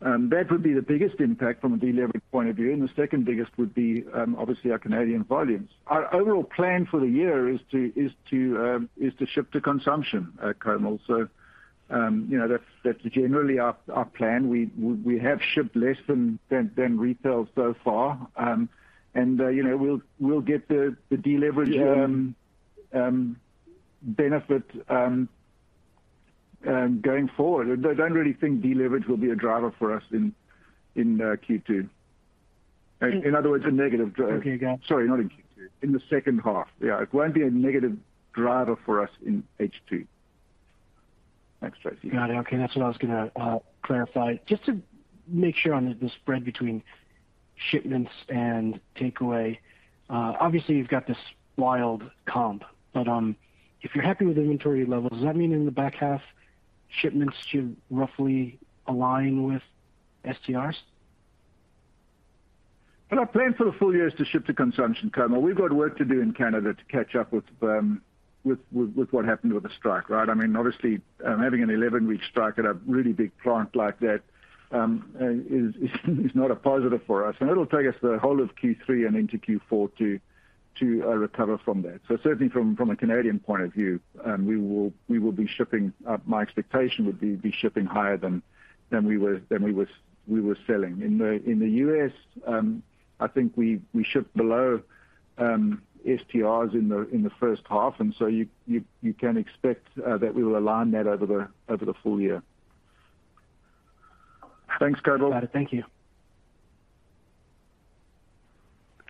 That would be the biggest impact from a deleveraging point of view. The second biggest would be obviously our Canadian volumes. Our overall plan for the year is to ship to consumption, Kaumil. You know, that's generally our plan. We have shipped less than retail so far. You know, we'll get the deleverage. Yeah. Benefit going forward. I don't really think deleverage will be a driver for us in Q2. In. In other words, a negative driver. Okay, got it. Sorry, not in Q2. In the second half. Yeah, it won't be a negative driver for us in H2. Thanks, Tracey. Got it. Okay. That's what I was gonna clarify. Just to make sure on the spread between shipments and takeaway, obviously you've got this wild comp, but if you're happy with inventory levels, does that mean in the back half shipments should roughly align with STRs? Our plan for the full year is to ship to consumption, Kaumil. We've got work to do in Canada to catch up with what happened with the strike, right? I mean, obviously, having a 11-week strike at a really big plant like that is not a positive for us, and it'll take us the whole of Q3 and into Q4 to recover from that. Certainly from a Canadian point of view, we will be shipping higher than we were selling. In the U.S., I think we ship below STRs in the first half, and so you can expect that we will align that over the full year. Thanks, Kaumil. Got it. Thank you.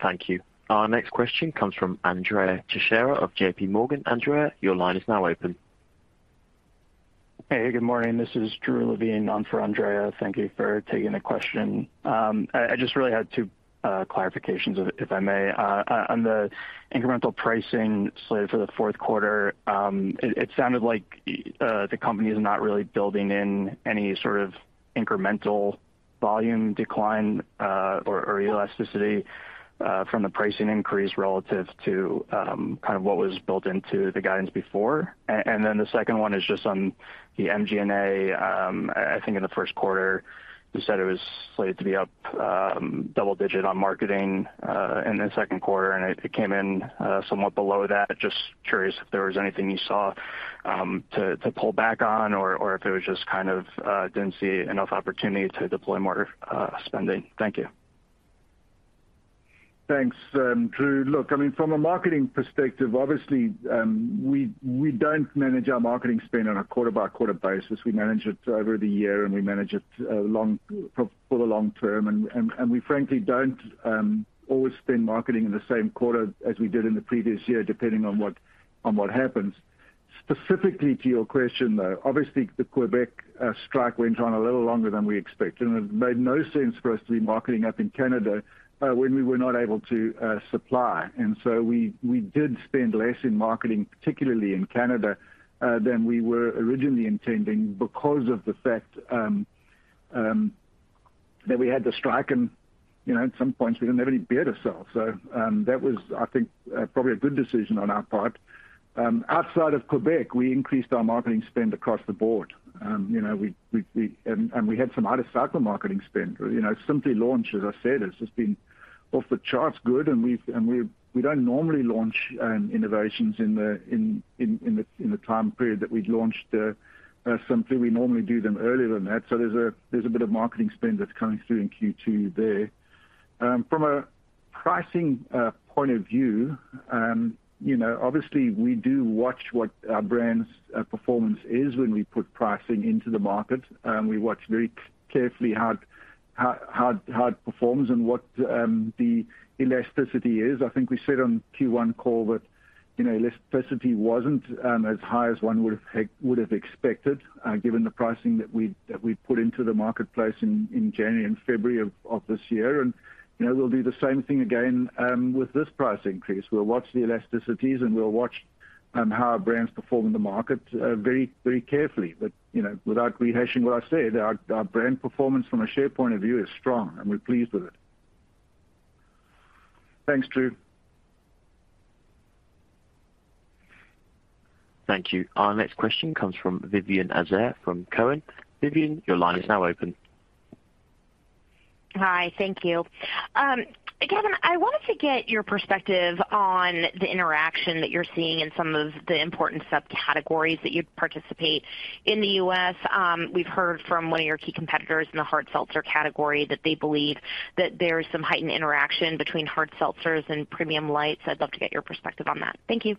Thank you. Our next question comes from Andrea Faria Teixeira of J.P. Morgan. Andrea, your line is now open. Hey, good morning. This is Drew Levine on for Andrea. Thank you for taking the question. I just really had 2 clarifications if I may. On the incremental pricing slate for the Q4, it sounded like the company is not really building in any sort of incremental volume decline or elasticity from the pricing increase relative to kind of what was built into the guidance before. Then the second one is just on the MG&A. I think in the first quarter you said it was slated to be up double digit on marketing in the Q2, and it came in somewhat below that. Just curious if there was anything you saw to pull back on or if it was just kind of didn't see enough opportunity to deploy more spending. Thank you. Thanks, Drew. Look, I mean, from a marketing perspective, obviously, we don't manage our marketing spend on a quarter-by-quarter basis. We manage it over the year, and we manage it for the long term. We frankly don't always spend on marketing in the same quarter as we did in the previous year, depending on what happens. Specifically to your question, though, obviously the Quebec strike went on a little longer than we expected, and it made no sense for us to be marketing in Canada when we were not able to supply. We did spend less on marketing, particularly in Canada, than we were originally intending because of the fact that we had the strike. You know, at some points we didn't have any beer to sell. That was, I think, probably a good decision on our part. Outside of Quebec, we increased our marketing spend across the board. You know, we had some out of cycle marketing spend. You know, Simply launched, as I said, has just been off the charts good. We don't normally launch innovations in the time period that we've launched Simply. We normally do them earlier than that. There's a bit of marketing spend that's coming through in Q2 there. From a pricing point of view, you know, obviously we do watch what our brands' performance is when we put pricing into the market. We watch very carefully how it performs and what the elasticity is. I think we said on Q1 call that, you know, elasticity wasn't as high as one would have expected, given the pricing that we put into the marketplace in January and February of this year. You know, we'll do the same thing again with this price increase. We'll watch the elasticities, and we'll watch how our brands perform in the market very, very carefully. You know, without rehashing what I said, our brand performance from a share point of view is strong, and we're pleased with it. Thanks, Drew. Thank you. Our next question comes from Vivien Azer from Cowen. Vivien, your line is now open. Hi. Thank you. Gavin, I wanted to get your perspective on the interaction that you're seeing in some of the important subcategories that you participate. In the US, we've heard from one of your key competitors in the hard seltzer category that they believe that there's some heightened interaction between hard seltzers and premium lights. I'd love to get your perspective on that. Thank you.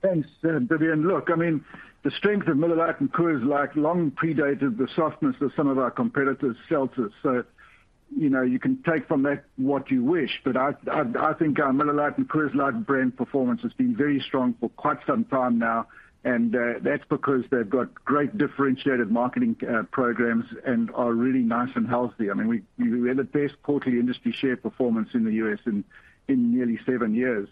Thanks, Vivian. Look, I mean, the strength of Miller Lite and Coors Light long predated the softness of some of our competitors' seltzers. You know, you can take from that what you wish. I think our Miller Lite and Coors Light brand performance has been very strong for quite some time now, and that's because they've got great differentiated marketing programs and are really nice and healthy. I mean, we had the best quarterly industry share performance in the U.S. in nearly seven years.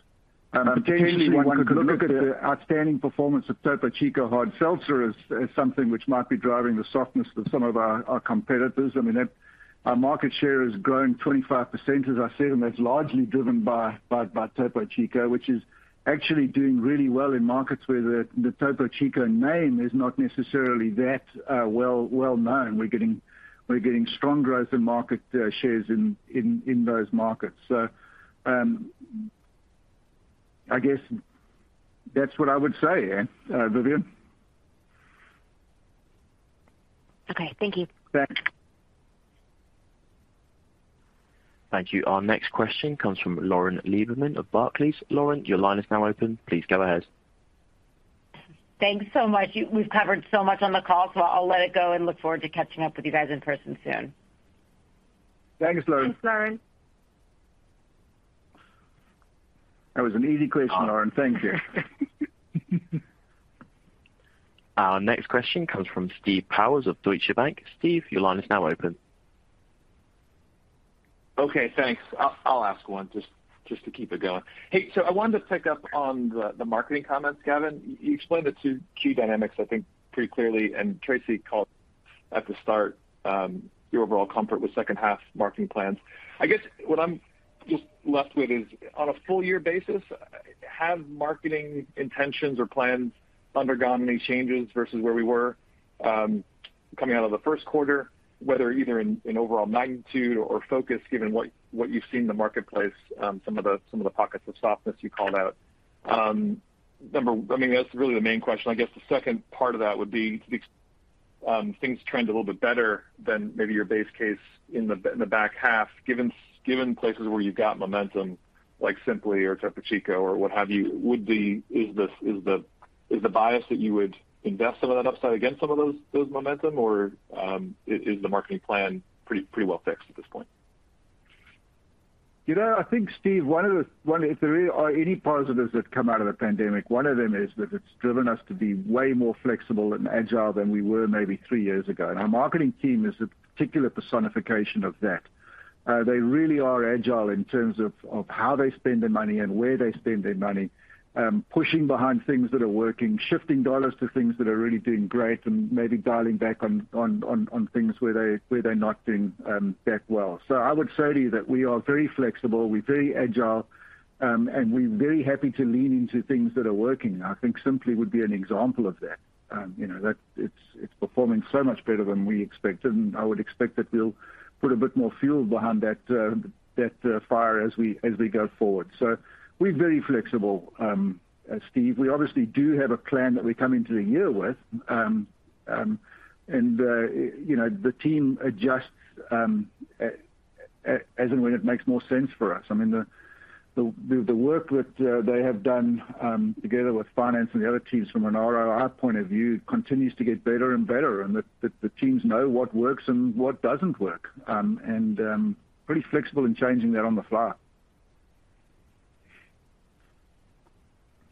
Potentially one could look at the outstanding performance of Topo Chico Hard Seltzer as something which might be driving the softness of some of our competitors. I mean, our market share has grown 25%, as I said, and that's largely driven by Topo Chico, which is actually doing really well in markets where the Topo Chico name is not necessarily that well-known. We're getting strong growth in market shares in those markets. I guess that's what I would say, Vivien. Okay, thank you. Thanks. Thank you. Our next question comes from Lauren Lieberman of Barclays. Lauren, your line is now open. Please go ahead. Thanks so much. We've covered so much on the call, so I'll let it go and look forward to catching up with you guys in person soon. Thanks, Lauren. Thanks, Lauren. That was an easy question, Lauren. Thank you. Our next question comes from Steve Powers of Deutsche Bank. Steve, your line is now open. Okay, thanks. I'll ask one just to keep it going. Hey, so I wanted to pick up on the marketing comments, Gavin. You explained the two key dynamics, I think, pretty clearly, and Tracey called out at the start your overall comfort with second half marketing plans. I guess what I'm just left with is, on a full year basis, have marketing intentions or plans undergone any changes versus where we were coming out of the first quarter, whether either in overall magnitude or focus, given what you've seen in the marketplace, some of the pockets of softness you called out? I mean, that's really the main question. I guess the second part of that would be things trend a little bit better than maybe your base case in the back half. Given places where you've got momentum, like Simply or Topo Chico or what have you, is the bias that you would invest some of that upside against some of those momentum or is the marketing plan pretty well fixed at this point? You know, I think, Steve, one of the positives that come out of the pandemic, one of them is that it's driven us to be way more flexible and agile than we were maybe three years ago. Our marketing team is a particular personification of that. They really are agile in terms of how they spend their money and where they spend their money, pushing behind things that are working, shifting dollars to things that are really doing great and maybe dialing back on things where they're not doing that well. I would say to you that we are very flexible, we're very agile, and we're very happy to lean into things that are working. I think Simply would be an example of that. You know, it's performing so much better than we expected, and I would expect that we'll put a bit more fuel behind that fire as we go forward. We're very flexible, Steve. We obviously do have a plan that we come into the year with. You know, the team adjusts as and when it makes more sense for us. I mean, the work that they have done together with finance and the other teams from an ROI point of view continues to get better and better, and the teams know what works and what doesn't work, pretty flexible in changing that on the fly.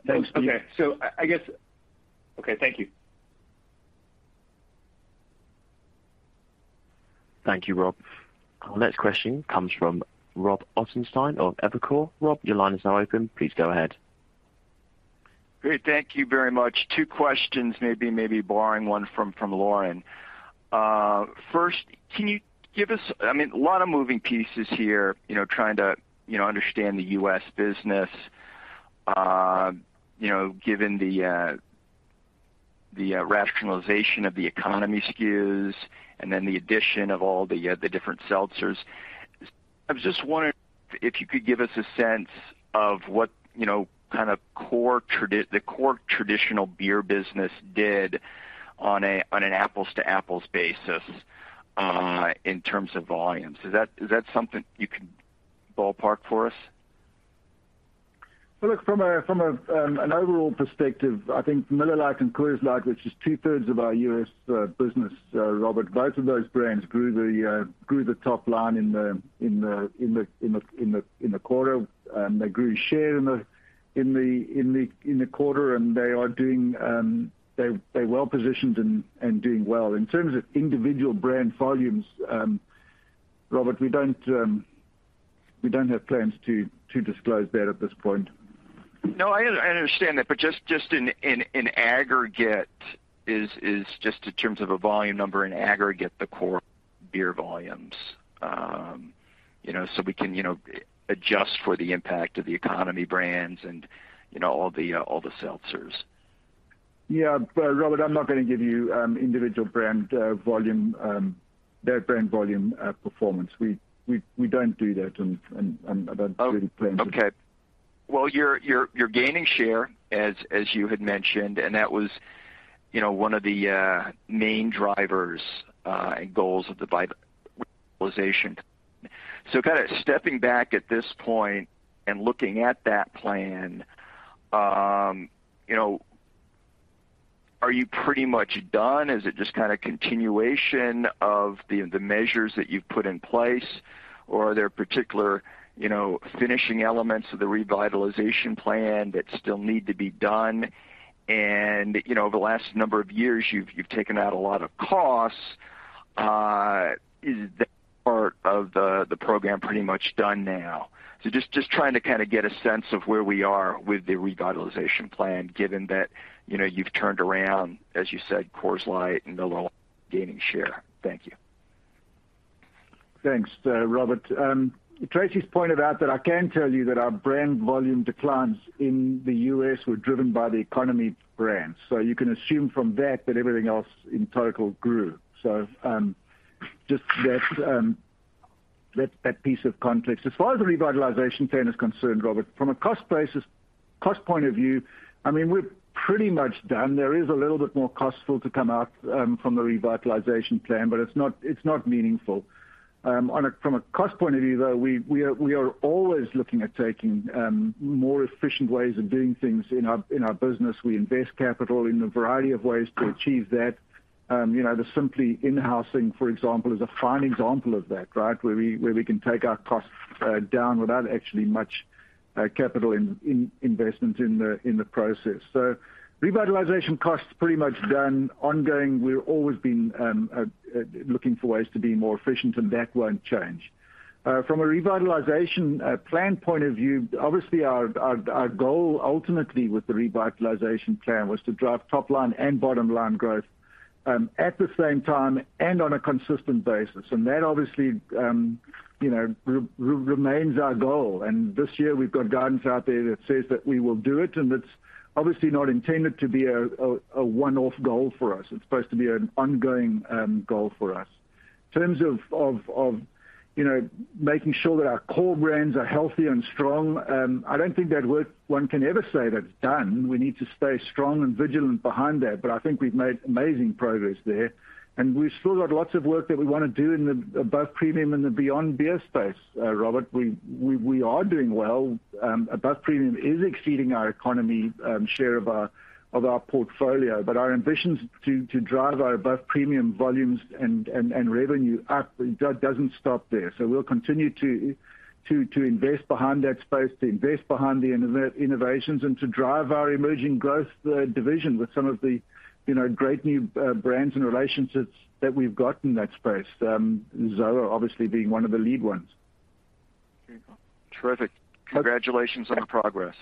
Thanks. Okay. I guess. Okay, thank you. Thank you, Rob. Our next question comes from Robert Ottenstein of Evercore. Rob, your line is now open. Please go ahead. Great. Thank you very much. Two questions, maybe borrowing one from Lauren. First, can you give us, I mean, a lot of moving pieces here, you know, trying to understand the U.S. business, you know, given the rationalization of the economy SKUs and then the addition of all the different seltzers. I was just wondering if you could give us a sense of what, you know, kind of the core traditional beer business did on an apples-to-apples basis in terms of volumes. Is that something you can ballpark for us? Well, look, from an overall perspective, I think Miller Lite and Coors Light, which is two-thirds of our U.S. business, Robert, both of those brands grew the top line in the quarter. They grew share in the quarter, and they are doing, they're well positioned and doing well. In terms of individual brand volumes, Robert, we don't have plans to disclose that at this point. No, I understand that, but just in aggregate, is just in terms of a volume number, in aggregate, the core beer volumes, you know, so we can, you know, adjust for the impact of the economy brands and, you know, all the seltzers. Robert, I'm not gonna give you individual brand volume performance. We don't do that and I don't see any plans to. Well, you're gaining share, as you had mentioned, and that was, you know, one of the main drivers and goals of the revitalization. Kind of stepping back at this point and looking at that plan, you know, are you pretty much done? Is it just kind of continuation of the measures that you've put in place? Or are there particular, you know, finishing elements of the revitalization plan that still need to be done? You know, the last number of years, you've taken out a lot of costs. Is that part of the program pretty much done now? Just trying to kind of get a sense of where we are with the revitalization plan, given that, you know, you've turned around, as you said, Coors Light, Miller gaining share. Thank you. Thanks, Robert. Tracy's pointed out that I can tell you that our brand volume declines in the U.S. were driven by the economy brands. You can assume from that that everything else in total grew. Just that piece of context. As far as the revitalization plan is concerned, Robert, from a cost point of view, I mean, we're pretty much done. There is a little bit more cost still to come out from the revitalization plan, but it's not meaningful. From a cost point of view, though, we are always looking at taking more efficient ways of doing things in our business. We invest capital in a variety of ways to achieve that. You know, the Simply in-housing, for example, is a fine example of that, right? Where we can take our costs down without actually much capital investment in the process. Revitalization costs pretty much done. Ongoing, we're always looking for ways to be more efficient, and that won't change. From a revitalization plan point of view, obviously our goal ultimately with the revitalization plan was to drive top line and bottom line growth at the same time and on a consistent basis. That obviously, you know, remains our goal. This year we've got guidance out there that says that we will do it, and it's obviously not intended to be a one-off goal for us. It's supposed to be an ongoing goal for us. In terms of, you know, making sure that our core brands are healthy and strong. I don't think one can ever say that it's done. We need to stay strong and vigilant behind that. I think we've made amazing progress there. We've still got lots of work that we wanna do in the Above Premium and the Beyond Beer space, Robert. We are doing well. Above Premium is exceeding our economic share of our portfolio. Our ambitions to drive our Above Premium volumes and revenue up doesn't stop there. We'll continue to invest behind that space, to invest behind the innovations, and to drive our emerging growth, the division with some of the, you know, great new brands and relationships that we've got in that space. ZOA obviously being one of the lead ones. Terrific. Okay. Congratulations on the progress.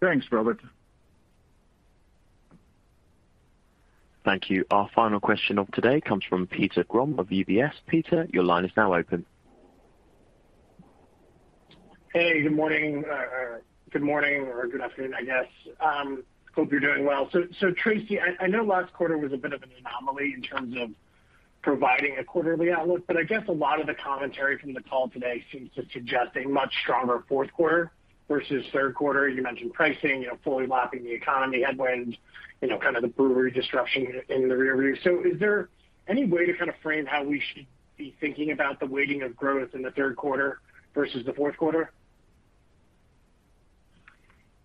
Thanks, Robert. Thank you. Our final question of today comes from Peter Grom of UBS. Peter, your line is now open. Hey, good morning or good afternoon, I guess. Hope you're doing well. Tracey, I know last quarter was a bit of an anomaly in terms of providing a quarterly outlook, but I guess a lot of the commentary from the call today seems to suggest a much stronger Q4 versus Q3. You mentioned pricing, you know, fully lapping the economic headwinds, you know, kind of the brewery disruption in the rear view. Is there any way to kind of frame how we should be thinking about the weighting of growth in the Q3 versus the Q4?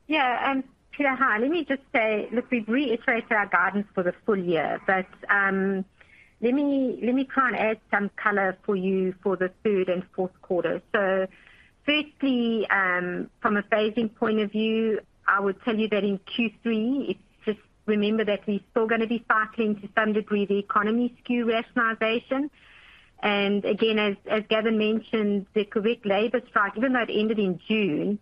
Yeah. Peter, hi. Let me just say, look, we've reiterated our guidance for the full year, but let me try and add some color for you for the third and Q4. Firstly, from a phasing point of view, I would tell you that in Q3, it's just, remember that we're still gonna be cycling to some degree the economic SKU rationalization. Again, as Gavin mentioned, the Quebec labor strike, even though it ended in June,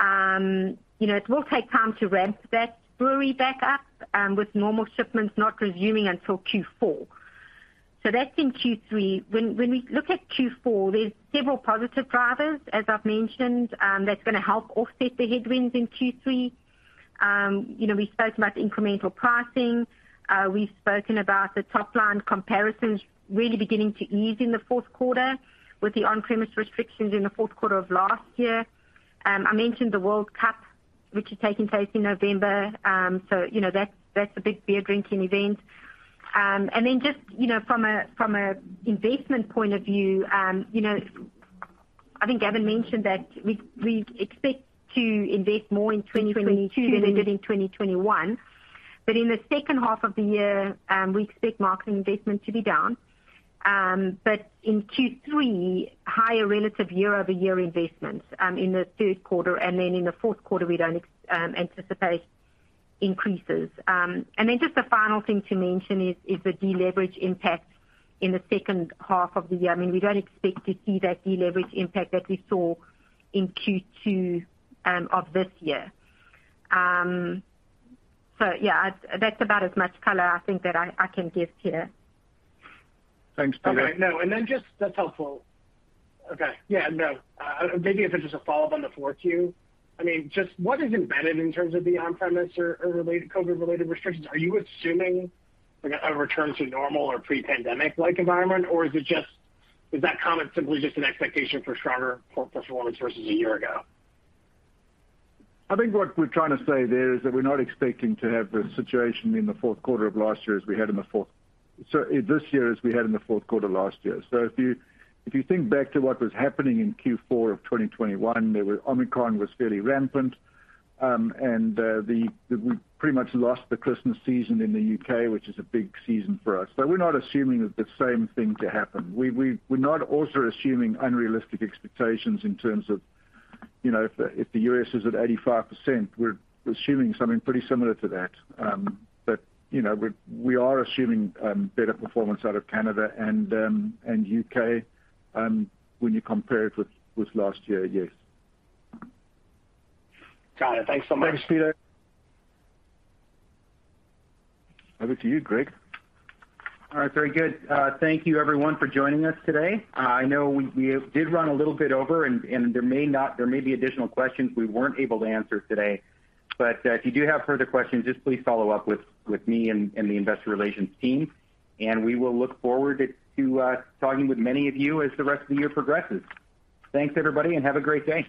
you know, it will take time to ramp that brewery back up, with normal shipments not resuming until Q4. That's in Q3. When we look at Q4, there are several positive drivers, as I've mentioned, that's gonna help offset the headwinds in Q3. You know, we've spoken about incremental pricing. We've spoken about the top line comparisons really beginning to ease in the Q4 with the on-premise restrictions in the Q4 of last year. I mentioned the World Cup, which is taking place in November. You know, that's a big beer drinking event. Then just, you know, from a investment point of view, you know, I think Gavin mentioned that we expect to invest more in 2020. In 2022. Two than we did in 2021. In the second half of the year, we expect marketing investment to be down. In Q3, higher relative year-over-year investments in the Q3, and then in the Q4 we don't anticipate increases. Then just a final thing to mention is the deleverage impact in the second half of the year. I mean, we don't expect to see that deleverage impact that we saw in Q2 of this year. Yeah, that's about as much color I think that I can give here. Thanks, Peter. Okay. No. That's helpful. Okay. Yeah, no. Maybe if it's just a follow-up on the 4Q. I mean, just what is embedded in terms of the on-premise or related COVID-related restrictions? Are you assuming like a return to normal or pre-pandemic like environment? Or is it just, is that comment simply just an expectation for stronger performance versus a year ago? I think what we're trying to say there is that we're not expecting to have the situation in the Q4 of last year as we had in the Q4 last year. If you think back to what was happening in Q4 of 2021, Omicron was fairly rampant. We pretty much lost the Christmas season in the U.K., which is a big season for us. We're not assuming the same thing to happen. We're not also assuming unrealistic expectations in terms of, you know, if the U.S. is at 85%, we're assuming something pretty similar to that. You know, we are assuming better performance out of Canada and UK when you compare it with last year, yes. Got it. Thanks so much. Thanks, Peter. Over to you, Greg. All right. Very good. Thank you everyone for joining us today. I know we did run a little bit over and there may be additional questions we weren't able to answer today. If you do have further questions, just please follow up with me and the investor relations team, and we will look forward to talking with many of you as the rest of the year progresses. Thanks, everybody, and have a great day.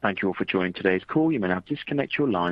Thank you all for joining today's call. You may now disconnect your line.